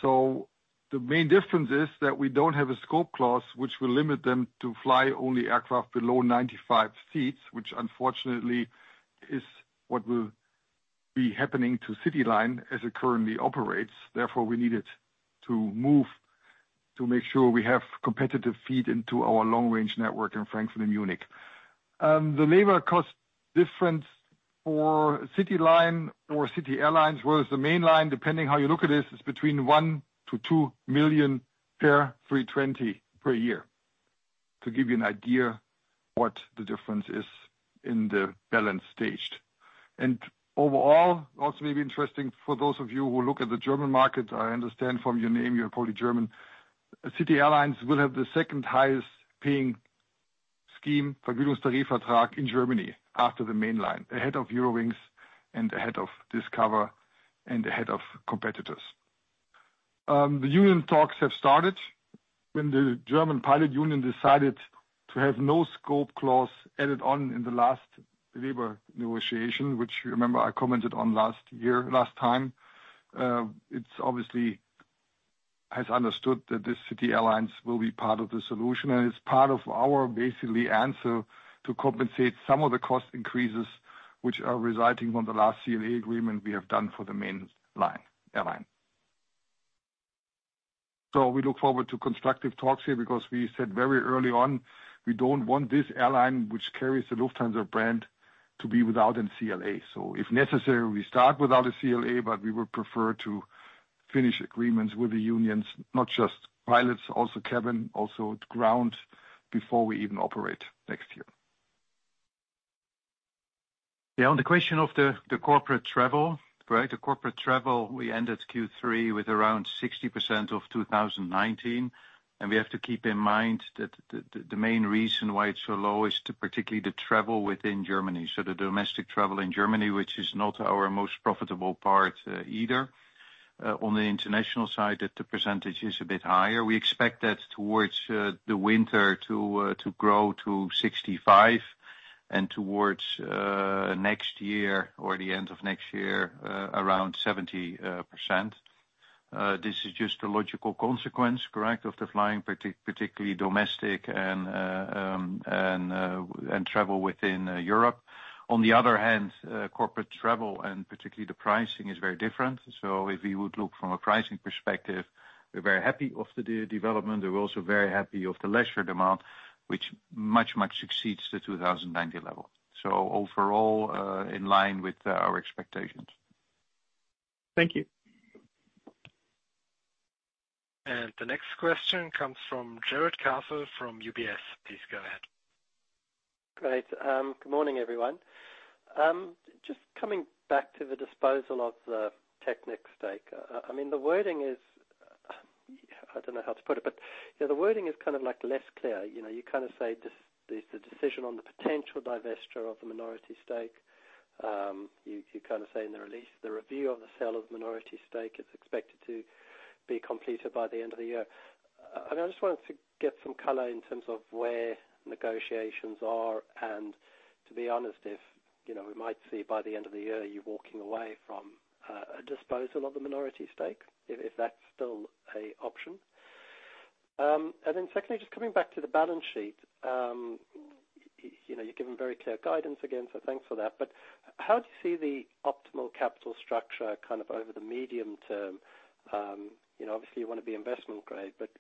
So the main difference is that we don't have a scope clause which will limit them to fly only aircraft below 95 seats, which unfortunately is what will be happening to CityLine as it currently operates. Therefore, we needed to move to make sure we have competitive feed into our long-range network in Frankfurt and Munich. The labor cost difference for CityLine or City Airlines was the main line, depending how you look at this, is between 1-2 million per 320 per year, to give you an idea what the difference is in the balance staged. Overall, also may be interesting for those of you who look at the German market, I understand from your name, you're probably German. City Airlines will have the second highest paying scheme, Vergütungstarifvertrag, in Germany after the main line, ahead of Eurowings and ahead of Discover and ahead of competitors. The union talks have started when the German pilot union decided to have no scope clause added on in the last labor negotiation, which you remember I commented on last year, last time. It's obviously has understood that the City Airlines will be part of the solution, and it's part of our, basically, answer to compensate some of the cost increases which are residing on the last CLA agreement we have done for the main line, airline. We look forward to constructive talks here because we said very early on, we don't want this airline, which carries the Lufthansa brand, to be without a CLA. So if necessary, we start without a CLA, but we would prefer to finish agreements with the unions, not just pilots, also cabin, also ground, before we even operate next year. Yeah, on the question of the corporate travel, right? The corporate travel, we ended Q3 with around 60% of 2019, and we have to keep in mind that the main reason why it's so low is particularly the travel within Germany. So the domestic travel in Germany, which is not our most profitable part, either. On the international side, the percentage is a bit higher. We expect that towards the winter to grow to 65 and towards next year or the end of next year, around 70%. This is just a logical consequence, correct, of the flying, particularly domestic and travel within Europe. On the other hand, corporate travel, and particularly the pricing, is very different. So if you would look from a pricing perspective, we're very happy of the development. We're also very happy of the leisure demand, which much, much exceeds the 2019 level. So overall, in line with our expectations. Thank you. The next question comes from Jarrod Castle from UBS. Please go ahead. Great. Good morning, everyone. Just coming back to the disposal of the Technik stake. I mean, the wording is, I don't know how to put it, but, you know, the wording is kind of, like, less clear. You know, you kind of say this, there's a decision on the potential divestiture of the minority stake. You kind of say in the release, the review of the sale of minority stake is expected to be completed by the end of the year. I just wanted to get some color in terms of where negotiations are, and to be honest, if, you know, we might see by the end of the year, you walking away from a disposal of the minority stake, if that's still an option. And then secondly, just coming back to the balance sheet, you know, you've given very clear guidance again, so thanks for that, but how do you see the optimal capital structure kind of over the medium term? You know, obviously you want to be investment grade, but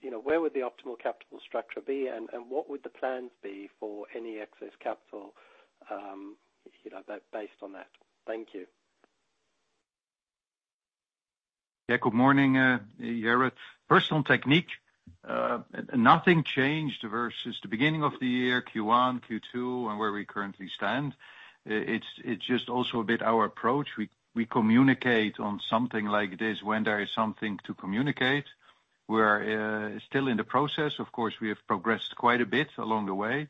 you know, where would the optimal capital structure be, and what would the plans be for any excess capital, you know, that based on that? Thank you. Yeah, good morning, Jarrod. First on Technik, nothing changed versus the beginning of the year, Q1, Q2, and where we currently stand. It's just also a bit our approach. We communicate on something like this when there is something to communicate. We're still in the process. Of course, we have progressed quite a bit along the way.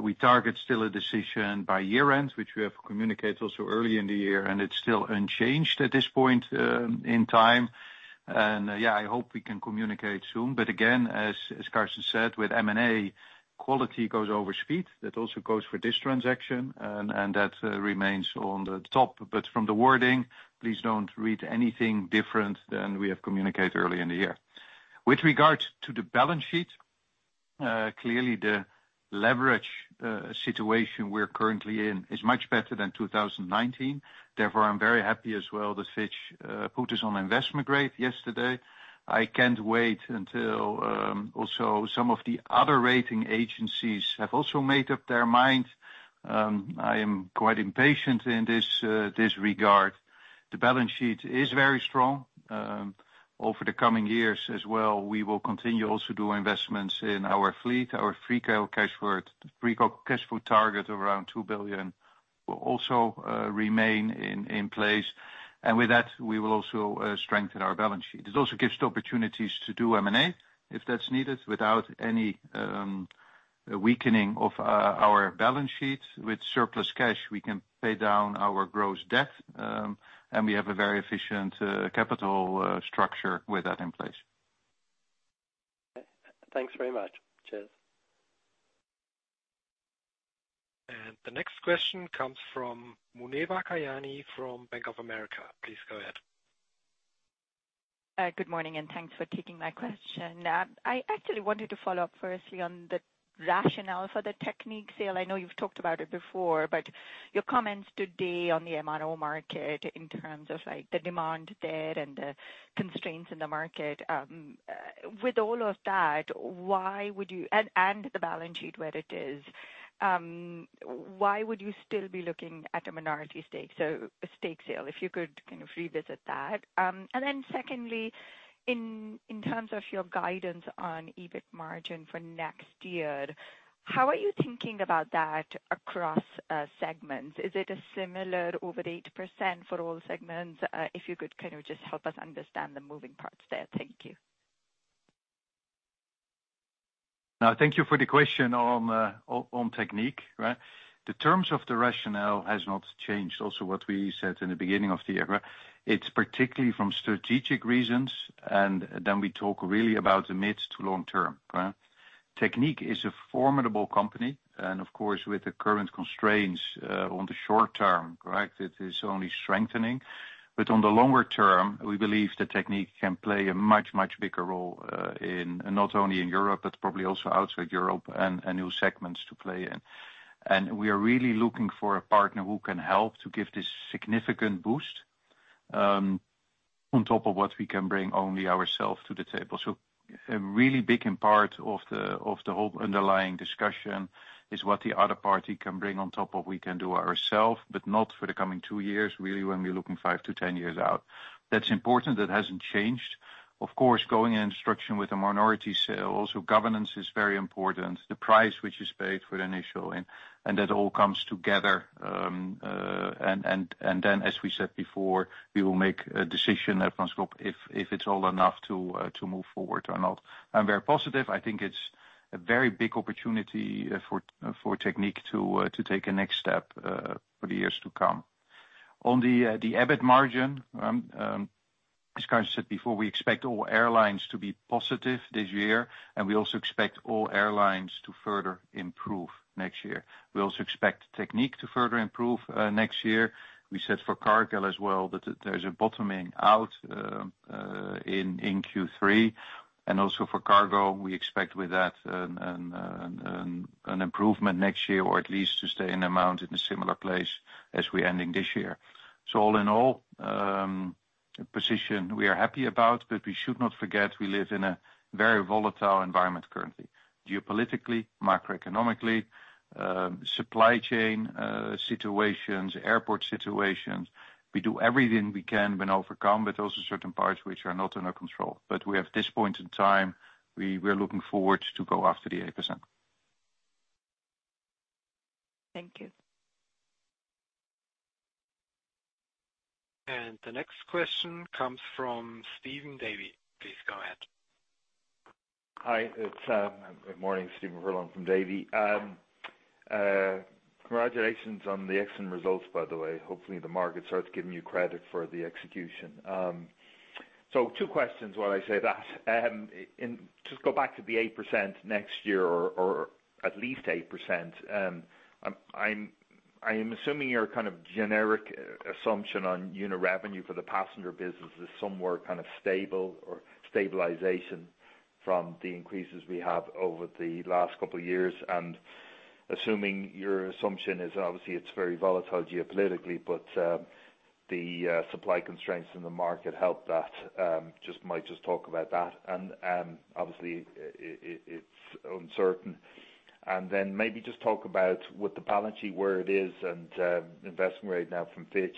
We target still a decision by year-end, which we have communicated also early in the year, and it's still unchanged at this point in time. Yeah, I hope we can communicate soon. But again, as Carsten said, with M&A, quality goes over speed. That also goes for this transaction, and that remains on the top. But from the wording, please don't read anything different than we have communicated earlier in the year. With regards to the balance sheet, clearly the leverage situation we're currently in is much better than 2019. Therefore, I'm very happy as well that Fitch put us on investment grade yesterday. I can't wait until also some of the other rating agencies have also made up their mind. I am quite impatient in this regard. The balance sheet is very strong. Over the coming years as well, we will continue also doing investments in our fleet, our free cash flow, free cash flow target of around 2 billion will also remain in place, and with that, we will also strengthen our balance sheet. It also gives the opportunities to do M&A if that's needed, without any weakening of our balance sheet. With surplus cash, we can pay down our gross debt, and we have a very efficient capital structure with that in place. Thanks very much. Cheers. The next question comes from Muneeba Kayani from Bank of America. Please go ahead.... Good morning, and thanks for taking my question. I actually wanted to follow up firstly on the rationale for the Lufthansa Technik sale. I know you've talked about it before, but your comments today on the MRO market in terms of, like, the demand there and the constraints in the market. With all of that, why would you... And the balance sheet where it is, why would you still be looking at a minority stake, so a stake sale? If you could kind of revisit that. And then secondly, in terms of your guidance on EBIT margin for next year, how are you thinking about that across segments? Is it a similar over 8% for all segments? If you could kind of just help us understand the moving parts there. Thank you. Now, thank you for the question on, on Technik, right? The terms of the rationale has not changed. Also, what we said in the beginning of the year, right? It's particularly from strategic reasons, and then we talk really about the mid to long term, right? Technik is a formidable company, and of course, with the current constraints, on the short term, right, it is only strengthening. But on the longer term, we believe the Technik can play a much, much bigger role, in, not only in Europe, but probably also outside Europe, and, and new segments to play in. And we are really looking for a partner who can help to give this significant boost, on top of what we can bring only ourself to the table. So a really big part of the whole underlying discussion is what the other party can bring on top of we can do ourself, but not for the coming 2 years, really, when we're looking 5-10 years out. That's important. That hasn't changed. Of course, going into the transaction with a minority sale, also, governance is very important. The price which is paid for the initial, and that all comes together, then as we said before, we will make a decision at the scope if it's all enough to move forward or not. I'm very positive. I think it's a very big opportunity, for Technik to take a next step, for the years to come. On the EBIT margin, as Carsten said before, we expect all airlines to be positive this year, and we also expect all airlines to further improve next year. We also expect Technik to further improve next year. We said for Cargo as well, that there's a bottoming out in Q3, and also for cargo, we expect with that an improvement next year, or at least to stay in the amount in a similar place as we're ending this year. All in all, a position we are happy about, but we should not forget, we live in a very volatile environment currently, geopolitically, macroeconomically, supply chain situations, airport situations. We do everything we can to overcome, but also certain parts which are not in our control. But we have at this point in time, we're looking forward to go after the 8%. Thank you. The next question comes from Stephen Furlong. Please go ahead. Hi, it's good morning, Stephen Furlong from Davy. Congratulations on the excellent results, by the way. Hopefully, the market starts giving you credit for the execution. So two questions while I say that. And just go back to the 8% next year, or at least 8%, I am assuming your kind of generic assumption on unit revenue for the passenger business is somewhere kind of stable or stabilization from the increases we have over the last couple of years. And assuming your assumption is obviously it's very volatile geopolitically, but the supply constraints in the market help that, just talk about that. And obviously it's uncertain. And then maybe just talk about with the balance sheet, where it is, and investment grade now from Fitch.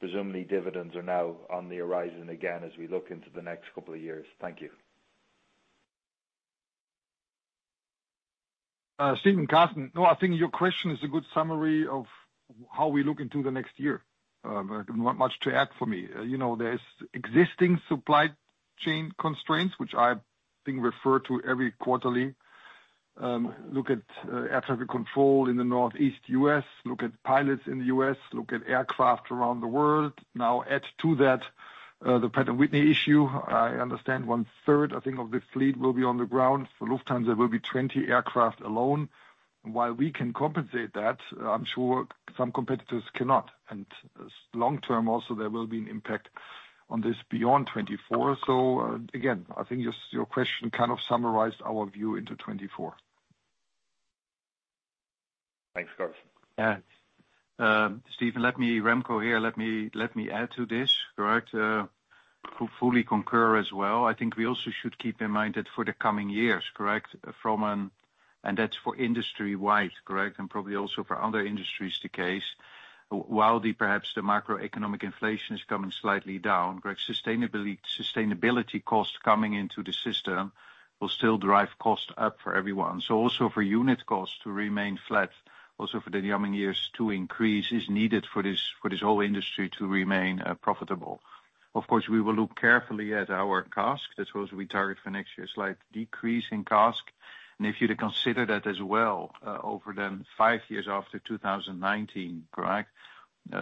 Presumably, dividends are now on the horizon again as we look into the next couple of years. Thank you. Stephen, Carsten. No, I think your question is a good summary of how we look into the next year. Not much to add for me. You know, there's existing supply chain constraints, which I think refer to every quarterly. Look at air traffic control in the Northeast U.S., look at pilots in the U.S., look at aircraft around the world. Now, add to that, the Pratt & Whitney issue. I understand one third, I think, of the fleet will be on the ground. For Lufthansa, there will be 20 aircraft alone. While we can compensate that, I'm sure some competitors cannot, and long term also, there will be an impact on this beyond 2024. So again, I think your, your question kind of summarized our view into 2024. Thanks, Carsten. Yeah. Stephen, let me, Remco here. Let me add to this. Correct. To fully concur as well, I think we also should keep in mind that for the coming years, correct, from an and that's for industry-wide, correct, and probably also for other industries the case. While the, perhaps, the macroeconomic inflation is coming slightly down, correct, sustainability, sustainability costs coming into the system will still drive costs up for everyone. So also for unit costs to remain flat, also for the coming years to increase, is needed for this, for this whole industry to remain profitable. Of course, we will look carefully at our CASK. That's what we target for next year, a slight decrease in CASK. And if you were to consider that as well, over then five years after 2019, correct? We-...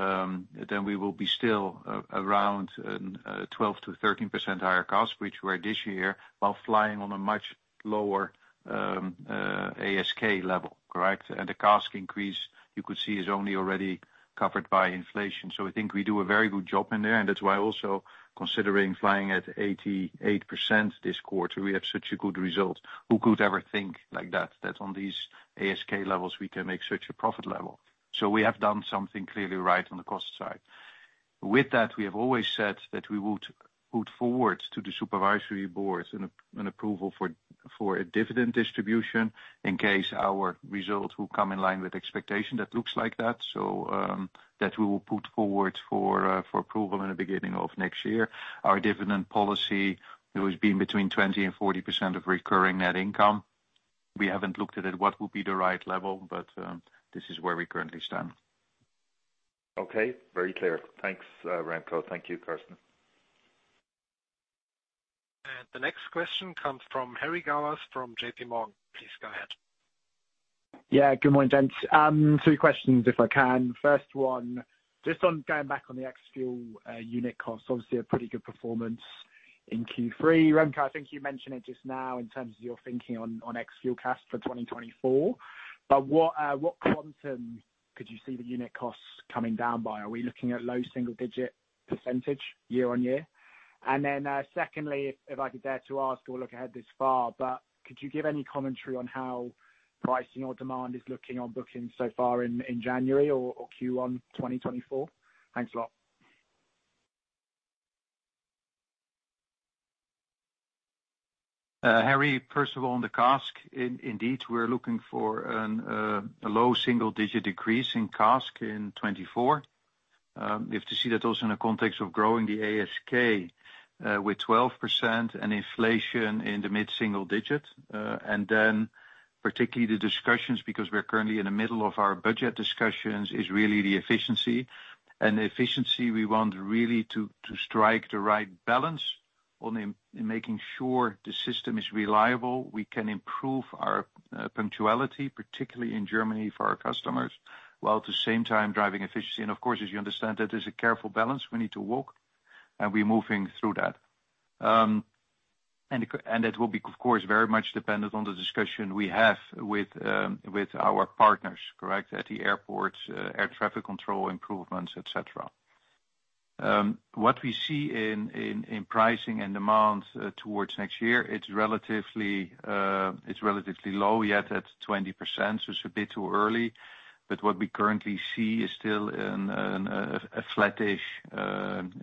Then we will be still around 12%-13% higher cost, which were this year, while flying on a much lower ASK level, correct? And the CASK increase, you could see, is only already covered by inflation. So I think we do a very good job in there, and that's why also considering flying at 88% this quarter, we have such a good result. Who could ever think like that, that on these ASK levels, we can make such a profit level? So we have done something clearly right on the cost side. With that, we have always said that we would put forward to the supervisory boards an approval for a dividend distribution in case our results will come in line with expectation. That looks like that, so, that we will put forward for approval in the beginning of next year. Our dividend policy, it has been between 20% and 40% of recurring net income. We haven't looked at it, what would be the right level, but, this is where we currently stand. Okay, very clear. Thanks, Remco. Thank you, Carsten. The next question comes from Harry Gowers from J.P. Morgan. Please go ahead. Yeah, good morning, gents. Three questions, if I can. First one, just on going back on the ex-fuel unit cost, obviously a pretty good performance in Q3. Remco, I think you mentioned it just now in terms of your thinking on ex-fuel CASK for 2024, but what quantum could you see the unit costs coming down by? Are we looking at low single-digit % year-on-year? And then, secondly, if I could dare to ask or look ahead this far, but could you give any commentary on how pricing or demand is looking on bookings so far in January or Q1 2024? Thanks a lot. Harry, first of all, on the CASK, indeed, we're looking for a low single digit decrease in CASK in 2024. You have to see that also in the context of growing the ASK with 12% and inflation in the mid-single digit. And then particularly the discussions, because we're currently in the middle of our budget discussions, is really the efficiency. And efficiency, we want really to strike the right balance on in making sure the system is reliable. We can improve our punctuality, particularly in Germany, for our customers, while at the same time driving efficiency. And of course, as you understand, that is a careful balance we need to walk, and we're moving through that. And it will be, of course, very much dependent on the discussion we have with our partners, correct, at the airports, air traffic control improvements, et cetera. What we see in pricing and demand towards next year, it's relatively low, yet at 20%, so it's a bit too early. But what we currently see is still a flattish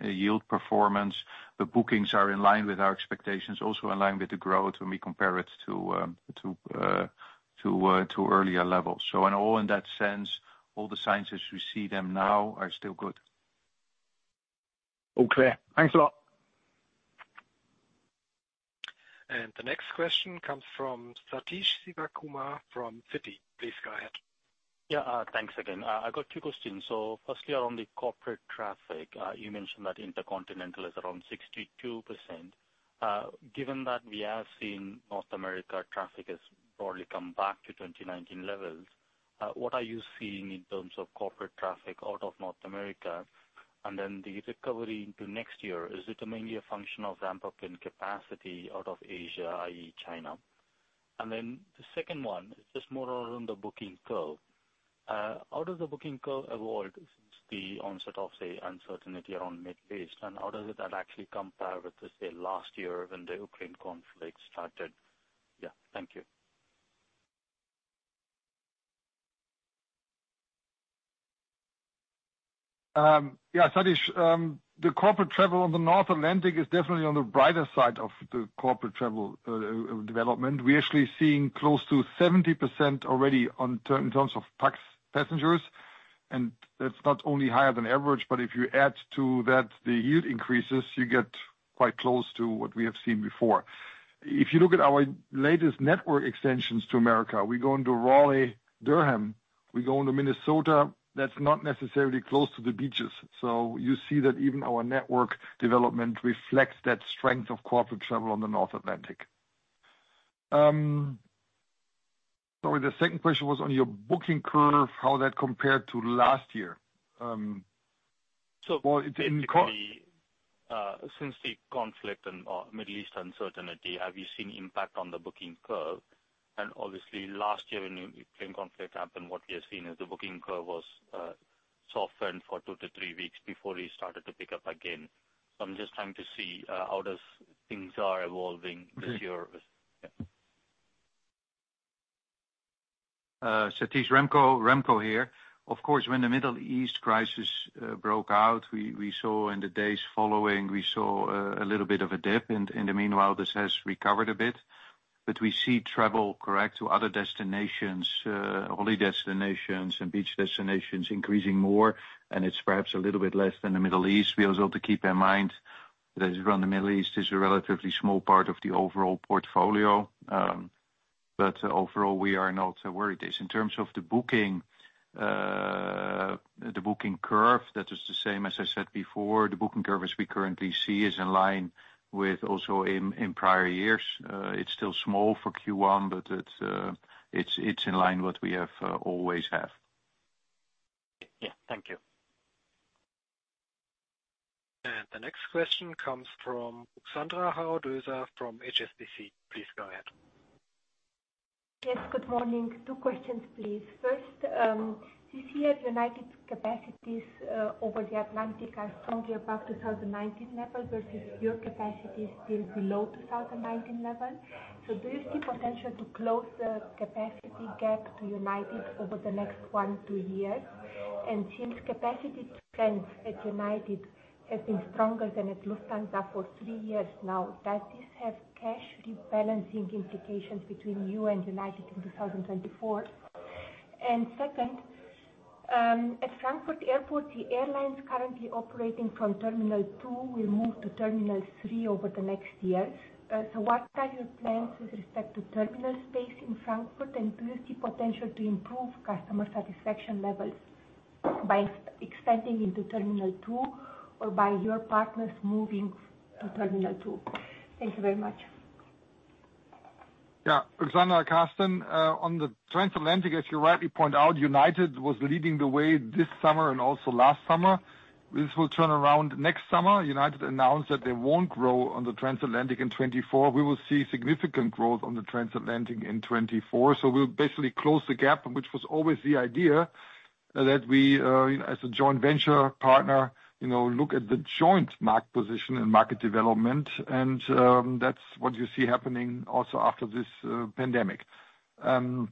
yield performance. The bookings are in line with our expectations, also in line with the growth when we compare it to earlier levels. So in all, in that sense, all the signs as we see them now are still good. All clear. Thanks a lot. The next question comes from Sathish Sivakumar from Citi. Please go ahead. Yeah, thanks again. I've got two questions. So firstly, on the corporate traffic, you mentioned that intercontinental is around 62%. Given that we have seen North America traffic has broadly come back to 2019 levels, what are you seeing in terms of corporate traffic out of North America? And then the recovery into next year, is it mainly a function of ramp up in capacity out of Asia, i.e., China? And then the second one is just more around the booking curve. How does the booking curve evolve since the onset of, say, uncertainty around Middle East, and how does that actually compare with, let's say, last year when the Ukraine conflict started? Yeah, thank you. Yeah, Sathish, the corporate travel on the North Atlantic is definitely on the brighter side of the corporate travel development. We're actually seeing close to 70% already in terms of DAX passengers, and that's not only higher than average, but if you add to that, the yield increases, you get quite close to what we have seen before. If you look at our latest network extensions to America, we're going to Raleigh-Durham, we're going to Minnesota. That's not necessarily close to the beaches. So you see that even our network development reflects that strength of corporate travel on the North Atlantic. Sorry, the second question was on your booking curve, how that compared to last year. So in co- Since the conflict and Middle East uncertainty, have you seen impact on the booking curve? And obviously, last year when the Ukraine conflict happened, what we have seen is the booking curve was softened for 2-3 weeks before it started to pick up again. So I'm just trying to see how things are evolving this year. Sathish, Remco, Remco here. Of course, when the Middle East crisis broke out, we saw in the days following, we saw a little bit of a dip, and in the meanwhile, this has recovered a bit. But we see travel, correct, to other destinations, holiday destinations and beach destinations increasing more, and it's perhaps a little bit less than the Middle East. We also have to keep in mind that around the Middle East is a relatively small part of the overall portfolio. But overall, we are not worried. In terms of the booking, the booking curve, that is the same as I said before. The booking curve as we currently see is in line with also in, in prior years. It's still small for Q1, but it's in line what we have always have. Yeah. Thank you.... The next question comes from Ruxandra Haradau-Doser from HSBC. Please go ahead. Yes, good morning. Two questions, please. First, you see at United Airlines capacities over the Atlantic are strongly above 2019 level versus your capacity is still below 2019 level. So do you see potential to close the capacity gap to United Airlines over the next 1-2 years? And since capacity trends at United Airlines have been stronger than at Lufthansa for 3 years now, does this have cash rebalancing implications between you and United Airlines in 2024? And second, at Frankfurt Airport, the airlines currently operating from Terminal 2 will move to Terminal 3 over the next years. So what are your plans with respect to terminal space in Frankfurt, and do you see potential to improve customer satisfaction levels by expanding into Terminal 2 or by your partners moving to Terminal 2? Thank you very much. Yeah, Sandra, Carsten, on the transatlantic, as you rightly point out, United was leading the way this summer and also last summer. This will turn around next summer. United announced that they won't grow on the transatlantic in 2024. We will see significant growth on the transatlantic in 2024. We'll basically close the gap, which was always the idea, that we, you know, as a joint venture partner, look at the joint market position and market development, and that's what you see happening also after this pandemic. The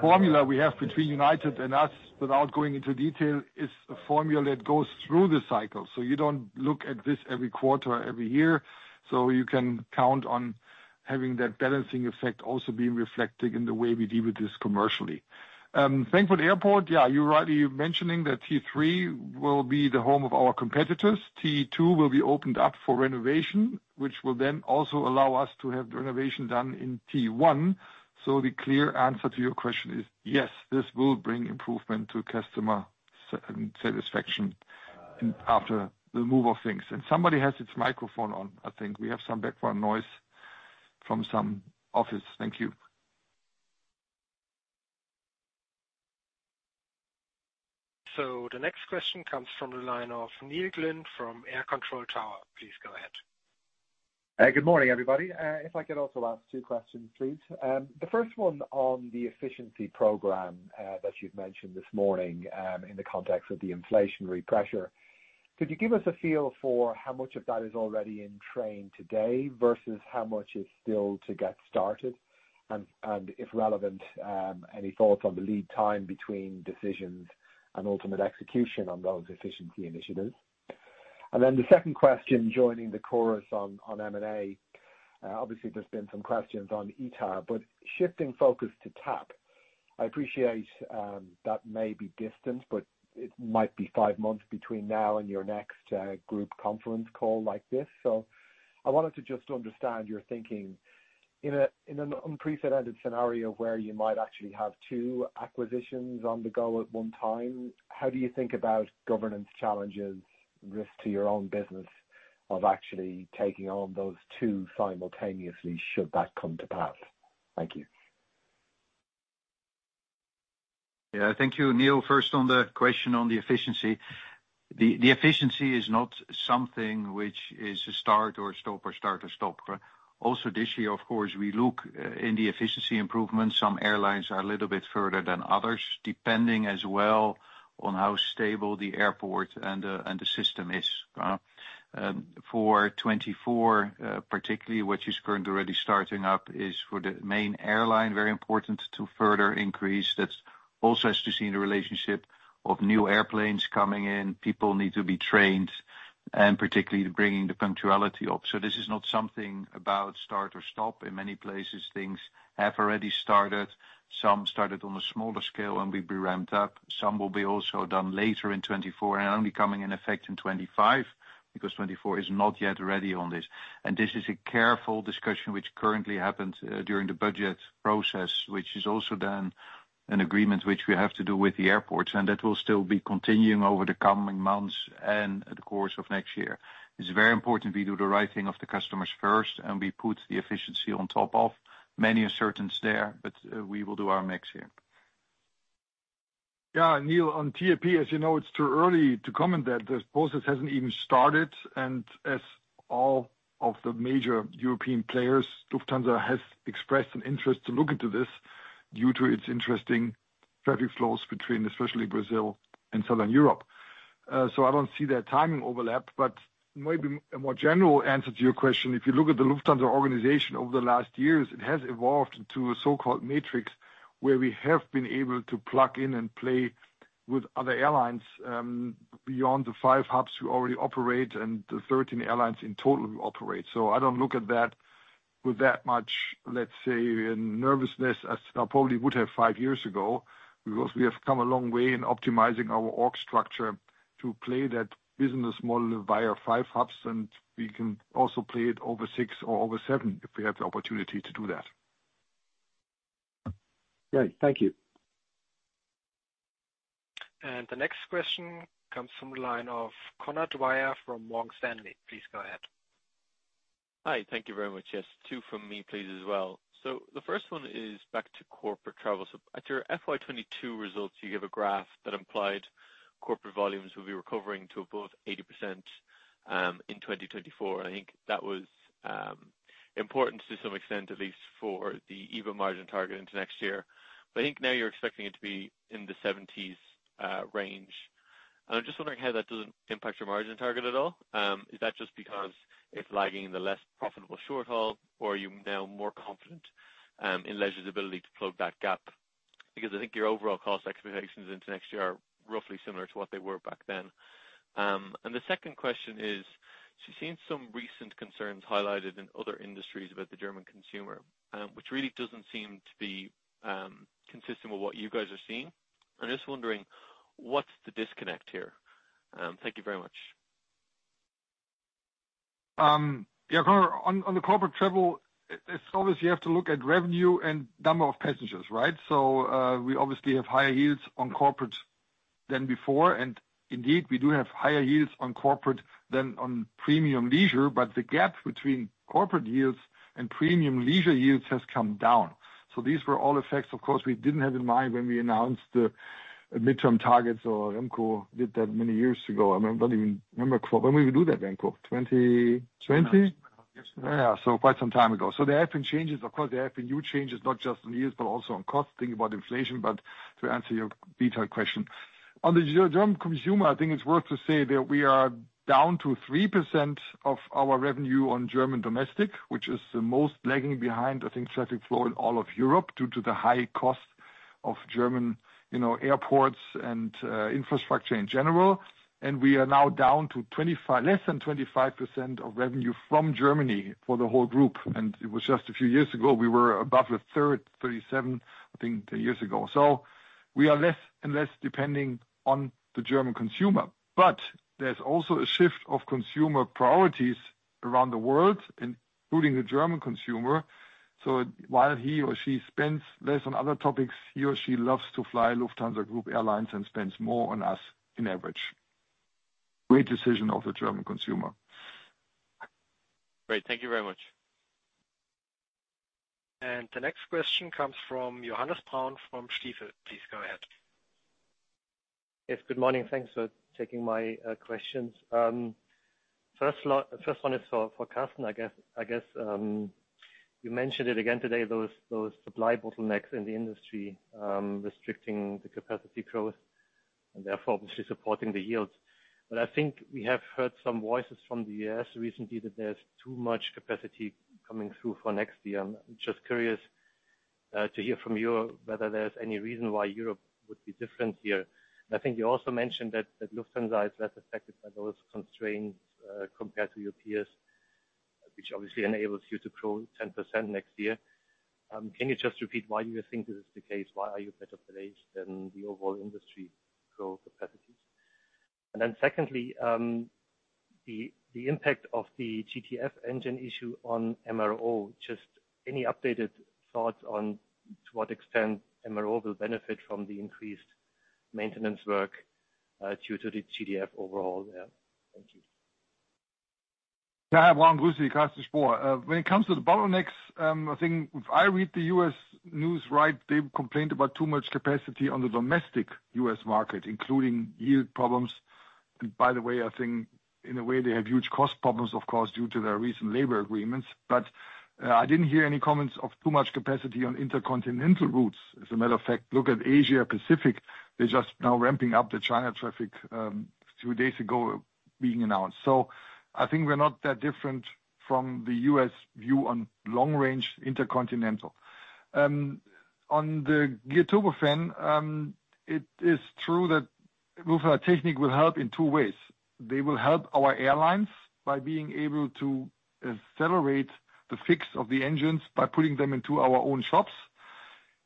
formula we have between United and us, without going into detail, is a formula that goes through the cycle. You don't look at this every quarter, every year, so you can count on having that balancing effect also being reflected in the way we deal with this commercially. Frankfurt Airport, yeah, you're right in mentioning that T3 will be the home of our competitors. T2 will be opened up for renovation, which will then also allow us to have the renovation done in T1. So the clear answer to your question is yes, this will bring improvement to customer satisfaction after the move of things. And somebody has its microphone on, I think. We have some background noise from some office. Thank you. The next question comes from the line of Neil Glynn from AIR Control Tower. Please go ahead. Good morning, everybody. If I could also ask two questions, please. The first one on the efficiency program that you've mentioned this morning, in the context of the inflationary pressure. Could you give us a feel for how much of that is already in train today versus how much is still to get started? And, if relevant, any thoughts on the lead time between decisions and ultimate execution on those efficiency initiatives? And then the second question, joining the chorus on M&A. Obviously, there's been some questions on ITA, but shifting focus to TAP, I appreciate that may be distant, but it might be five months between now and your next group conference call like this. So I wanted to just understand your thinking. In an unprecedented scenario where you might actually have two acquisitions on the go at one time, how do you think about governance challenges, risk to your own business of actually taking on those two simultaneously, should that come to pass? Thank you. Yeah, thank you, Neil. First, on the question on the efficiency. The efficiency is not something which is a start or stop or start or stop. Also, this year, of course, we look in the efficiency improvements. Some airlines are a little bit further than others, depending as well on how stable the airport and the system is. For 2024, particularly what is current already starting up is for the main airline, very important to further increase. That also has to see the relationship of new airplanes coming in, people need to be trained, and particularly the bringing the punctuality up. So this is not something about start or stop. In many places, things have already started. Some started on a smaller scale, and will be ramped up. Some will be also done later in 2024 and only coming in effect in 2025, because 2024 is not yet ready on this. This is a careful discussion which currently happens during the budget process, which is also then an agreement which we have to do with the airports, and that will still be continuing over the coming months and the course of next year. It's very important we do the right thing of the customers first, and we put the efficiency on top of many uncertainties there, but we will do our max here. Yeah, Neil, on TAP, as you know, it's too early to comment that the process hasn't even started, and as all of the major European players, Lufthansa has expressed an interest to look into this due to its interesting traffic flows between especially Brazil and Southern Europe. So I don't see that timing overlap, but maybe a more general answer to your question, if you look at the Lufthansa organization over the last years, it has evolved into a so-called matrix, where we have been able to plug in and play with other airlines, beyond the 5 hubs we already operate and the 13 airlines in total we operate. So I don't look at that with that much, let's say, nervousness, as I probably would have five years ago, because we have come a long way in optimizing our org structure to play that business model via five hubs, and we can also play it over six or over seven, if we have the opportunity to do that. Great. Thank you. The next question comes from the line of Conor Dwyer from Morgan Stanley. Please go ahead. ... Hi, thank you very much. Yes, 2 from me, please, as well. So the first one is back to corporate travel. So at your FY 2022 results, you gave a graph that implied corporate volumes would be recovering to above 80% in 2024. I think that was important to some extent, at least for the EBITDA margin target into next year. But I think now you're expecting it to be in the 70s range. And I'm just wondering how that doesn't impact your margin target at all. Is that just because it's lagging the less profitable short haul, or are you now more confident in leisure's ability to plug that gap? Because I think your overall cost expectations into next year are roughly similar to what they were back then. And the second question is, so seeing some recent concerns highlighted in other industries about the German consumer, which really doesn't seem to be consistent with what you guys are seeing. I'm just wondering, what's the disconnect here? Thank you very much. Yeah, on the corporate travel, it's obvious you have to look at revenue and number of passengers, right? So, we obviously have higher yields on corporate than before, and indeed, we do have higher yields on corporate than on premium leisure, but the gap between corporate yields and premium leisure yields has come down. So these were all effects, of course, we didn't have in mind when we announced the midterm targets, or Remco did that many years ago. I don't even remember when we would do that, Remco, 2020? Yes. Yeah, so quite some time ago. So there have been changes. Of course, there have been new changes, not just on yields, but also on costs, thinking about inflation. But to answer your detailed question, on the German consumer, I think it's worth to say that we are down to 3% of our revenue on German domestic, which is the most lagging behind, I think, traffic flow in all of Europe, due to the high cost of German, you know, airports and infrastructure in general. And we are now down to twenty-five—less than 25% of revenue from Germany for the whole group. And it was just a few years ago, we were above a third, 37, I think, two years ago. So we are less and less depending on the German consumer. But there's also a shift of consumer priorities around the world, including the German consumer. So while he or she spends less on other topics, he or she loves to fly Lufthansa Group Airlines and spends more on us on average. Great decision of the German consumer. Great, thank you very much. The next question comes from Johannes Braun from Stifel. Please go ahead. Yes, good morning. Thanks for taking my questions. First one is for Carsten, I guess, you mentioned it again today, those supply bottlenecks in the industry, restricting the capacity growth and therefore obviously supporting the yields. But I think we have heard some voices from the U.S. recently that there's too much capacity coming through for next year. I'm just curious to hear from you whether there's any reason why Europe would be different here. I think you also mentioned that Lufthansa is less affected by those constraints, compared to your peers, which obviously enables you to grow 10% next year. Can you just repeat why you think this is the case? Why are you better placed than the overall industry growth capacities? And then secondly, the impact of the GTF engine issue on MRO, just any updated thoughts on to what extent MRO will benefit from the increased maintenance work due to the GTF overall? Yeah. Thank you. Yeah, Braun, Carsten Spohr. When it comes to the bottlenecks, I think if I read the U.S. news right, they've complained about too much capacity on the domestic U.S. market, including yield problems. And by the way, I think in a way, they have huge cost problems, of course, due to their recent labor agreements. But, I didn't hear any comments of too much capacity on intercontinental routes. As a matter of fact, look at Asia-Pacific, they're just now ramping up the China traffic, two days ago being announced. So I think we're not that different from the U.S. view on long-range intercontinental. On the Geared Turbofan, it is true that Lufthansa Technik will help in two ways. They will help our airlines by being able to accelerate the fix of the engines by putting them into our own shops,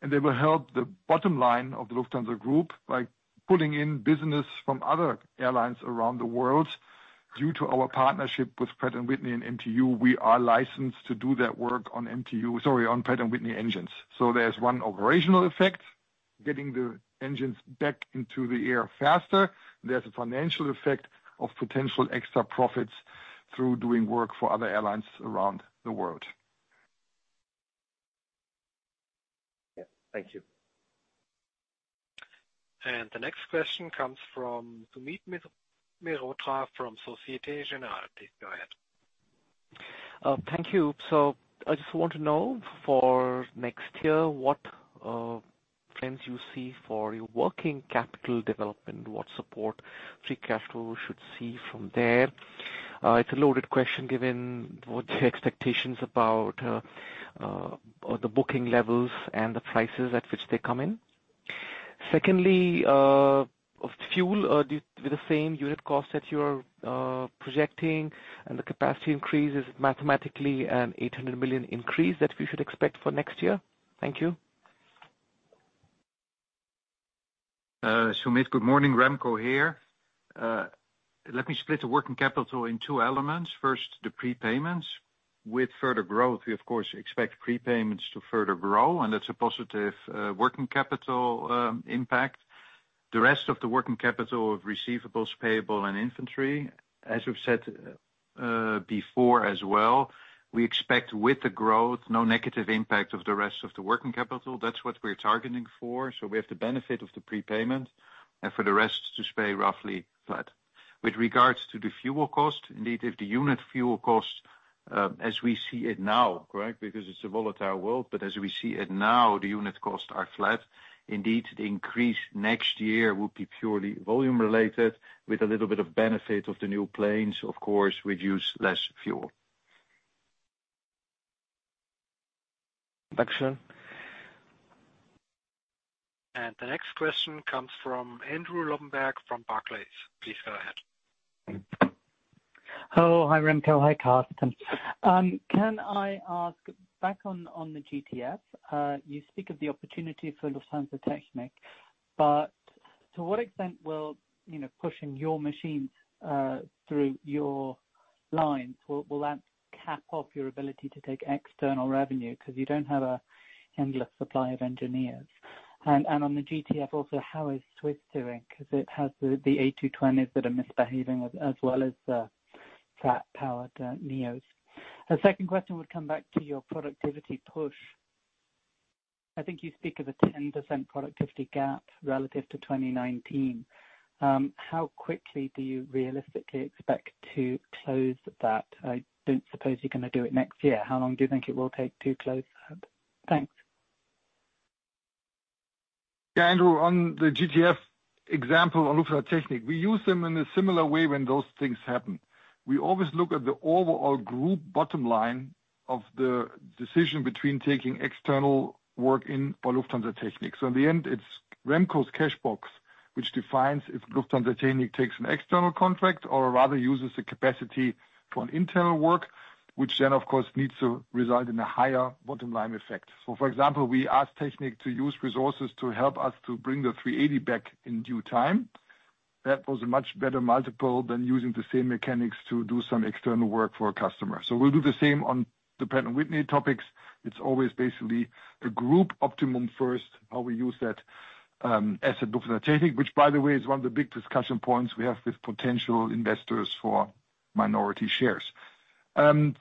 and they will help the bottom line of the Lufthansa Group by pulling in business from other airlines around the world. Due to our partnership with Pratt & Whitney and MTU, we are licensed to do that work on MTU, sorry, on Pratt & Whitney engines. So there's one operational effect, getting the engines back into the air faster. There's a financial effect of potential extra profits through doing work for other airlines around the world. Yeah, thank you. The next question comes from Sumit Mehrotra from Société Générale. Go ahead. Thank you. So I just want to know for next year, what trends you see for your working capital development? What support free capital should see from there? It's a loaded question, given what the expectations about the booking levels and the prices at which they come in. Secondly, fuel, with the same unit cost that you are projecting and the capacity increase is mathematically an 800 million increase that we should expect for next year? Thank you. Sumit, good morning, Remco here. Let me split the working capital in two elements. First, the prepayments. With further growth, we of course expect prepayments to further grow, and that's a positive working capital impact. The rest of the working capital of receivables, payables, and inventory, as we've said before as well, we expect with the growth no negative impact of the rest of the working capital. That's what we're targeting for, so we have the benefit of the prepayment, and for the rest to stay roughly flat. With regards to the fuel cost, indeed, if the unit fuel cost as we see it now correct, because it's a volatile world, but as we see it now, the unit costs are flat. Indeed, the increase next year will be purely volume related with a little bit of benefit of the new planes, of course, which use less fuel. The next question comes from Andrew Lobbenberg from Barclays. Please go ahead. Hello. Hi, Remco. Hi, Carsten. Can I ask back on, on the GTF, you speak of the opportunity for Lufthansa Technik, but to what extent will, you know, pushing your machines through your lines, will that cap off your ability to take external revenue? 'Cause you don't have an endless supply of engineers. And on the GTF also, how is Swiss doing? 'Cause it has the A220s that are misbehaving as well as the Pratt-powered NEOs. A second question would come back to your productivity push. I think you speak of a 10% productivity gap relative to 2019. How quickly do you realistically expect to close that? I don't suppose you're gonna do it next year. How long do you think it will take to close that? Thanks. Yeah, Andrew, on the GTF example on Lufthansa Technik, we use them in a similar way when those things happen. We always look at the overall group bottom line of the decision between taking external work in for Lufthansa Technik. So in the end, it's Remco's cash box which defines if Lufthansa Technik takes an external contract or rather uses the capacity for an internal work, which then, of course, needs to result in a higher bottom line effect. So for example, we asked Technik to use resources to help us to bring the A380 back in due time. That was a much better multiple than using the same mechanics to do some external work for a customer. So we'll do the same on the Pratt & Whitney topics. It's always basically a group optimum first, how we use that, as at Lufthansa Technik, which, by the way, is one of the big discussion points we have with potential investors for minority shares.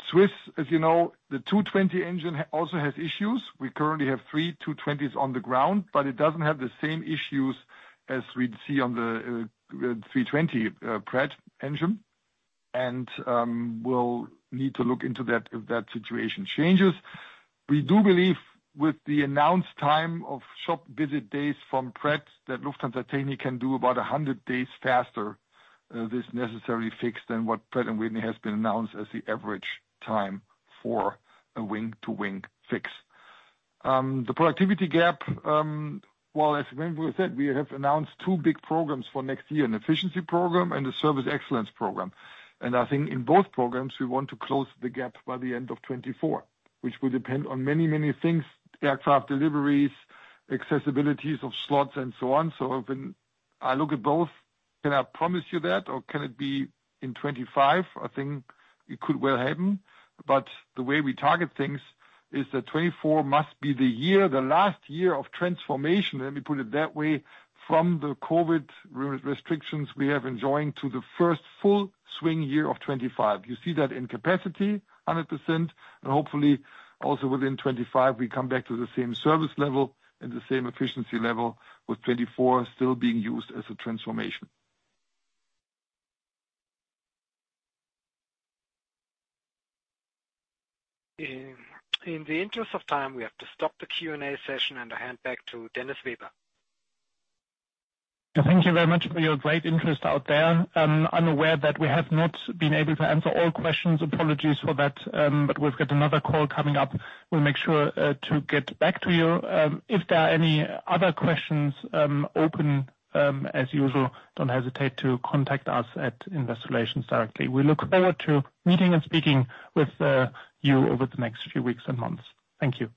Swiss, as you know, the A220 engine also has issues. We currently have 3 two twenties on the ground, but it doesn't have the same issues as we'd see on the, A320, Pratt engine, and, we'll need to look into that if that situation changes. We do believe, with the announced time of shop visit days from Pratt, that Lufthansa Technik can do about 100 days faster, this necessary fix than what Pratt & Whitney has been announced as the average time for a wing-to-wing fix. The productivity gap, well, as Remco said, we have announced two big programs for next year, an efficiency program and a service excellence program. And I think in both programs, we want to close the gap by the end of 2024, which will depend on many, many things, aircraft deliveries, accessibilities of slots, and so on. So when I look at both, can I promise you that, or can it be in 2025? I think it could well happen, but the way we target things is that 2024 must be the year, the last year of transformation, let me put it that way, from the COVID restrictions we have enjoying to the first full swing year of 2025. You see that in capacity, 100%, and hopefully also within 2025, we come back to the same service level and the same efficiency level, with 2024 still being used as a transformation. In the interest of time, we have to stop the Q&A session and hand back to Dennis Weber. Thank you very much for your great interest out there. I'm aware that we have not been able to answer all questions. Apologies for that, but we've got another call coming up. We'll make sure to get back to you. If there are any other questions open, as usual, don't hesitate to contact us at investor relations directly. We look forward to meeting and speaking with you over the next few weeks and months. Thank you.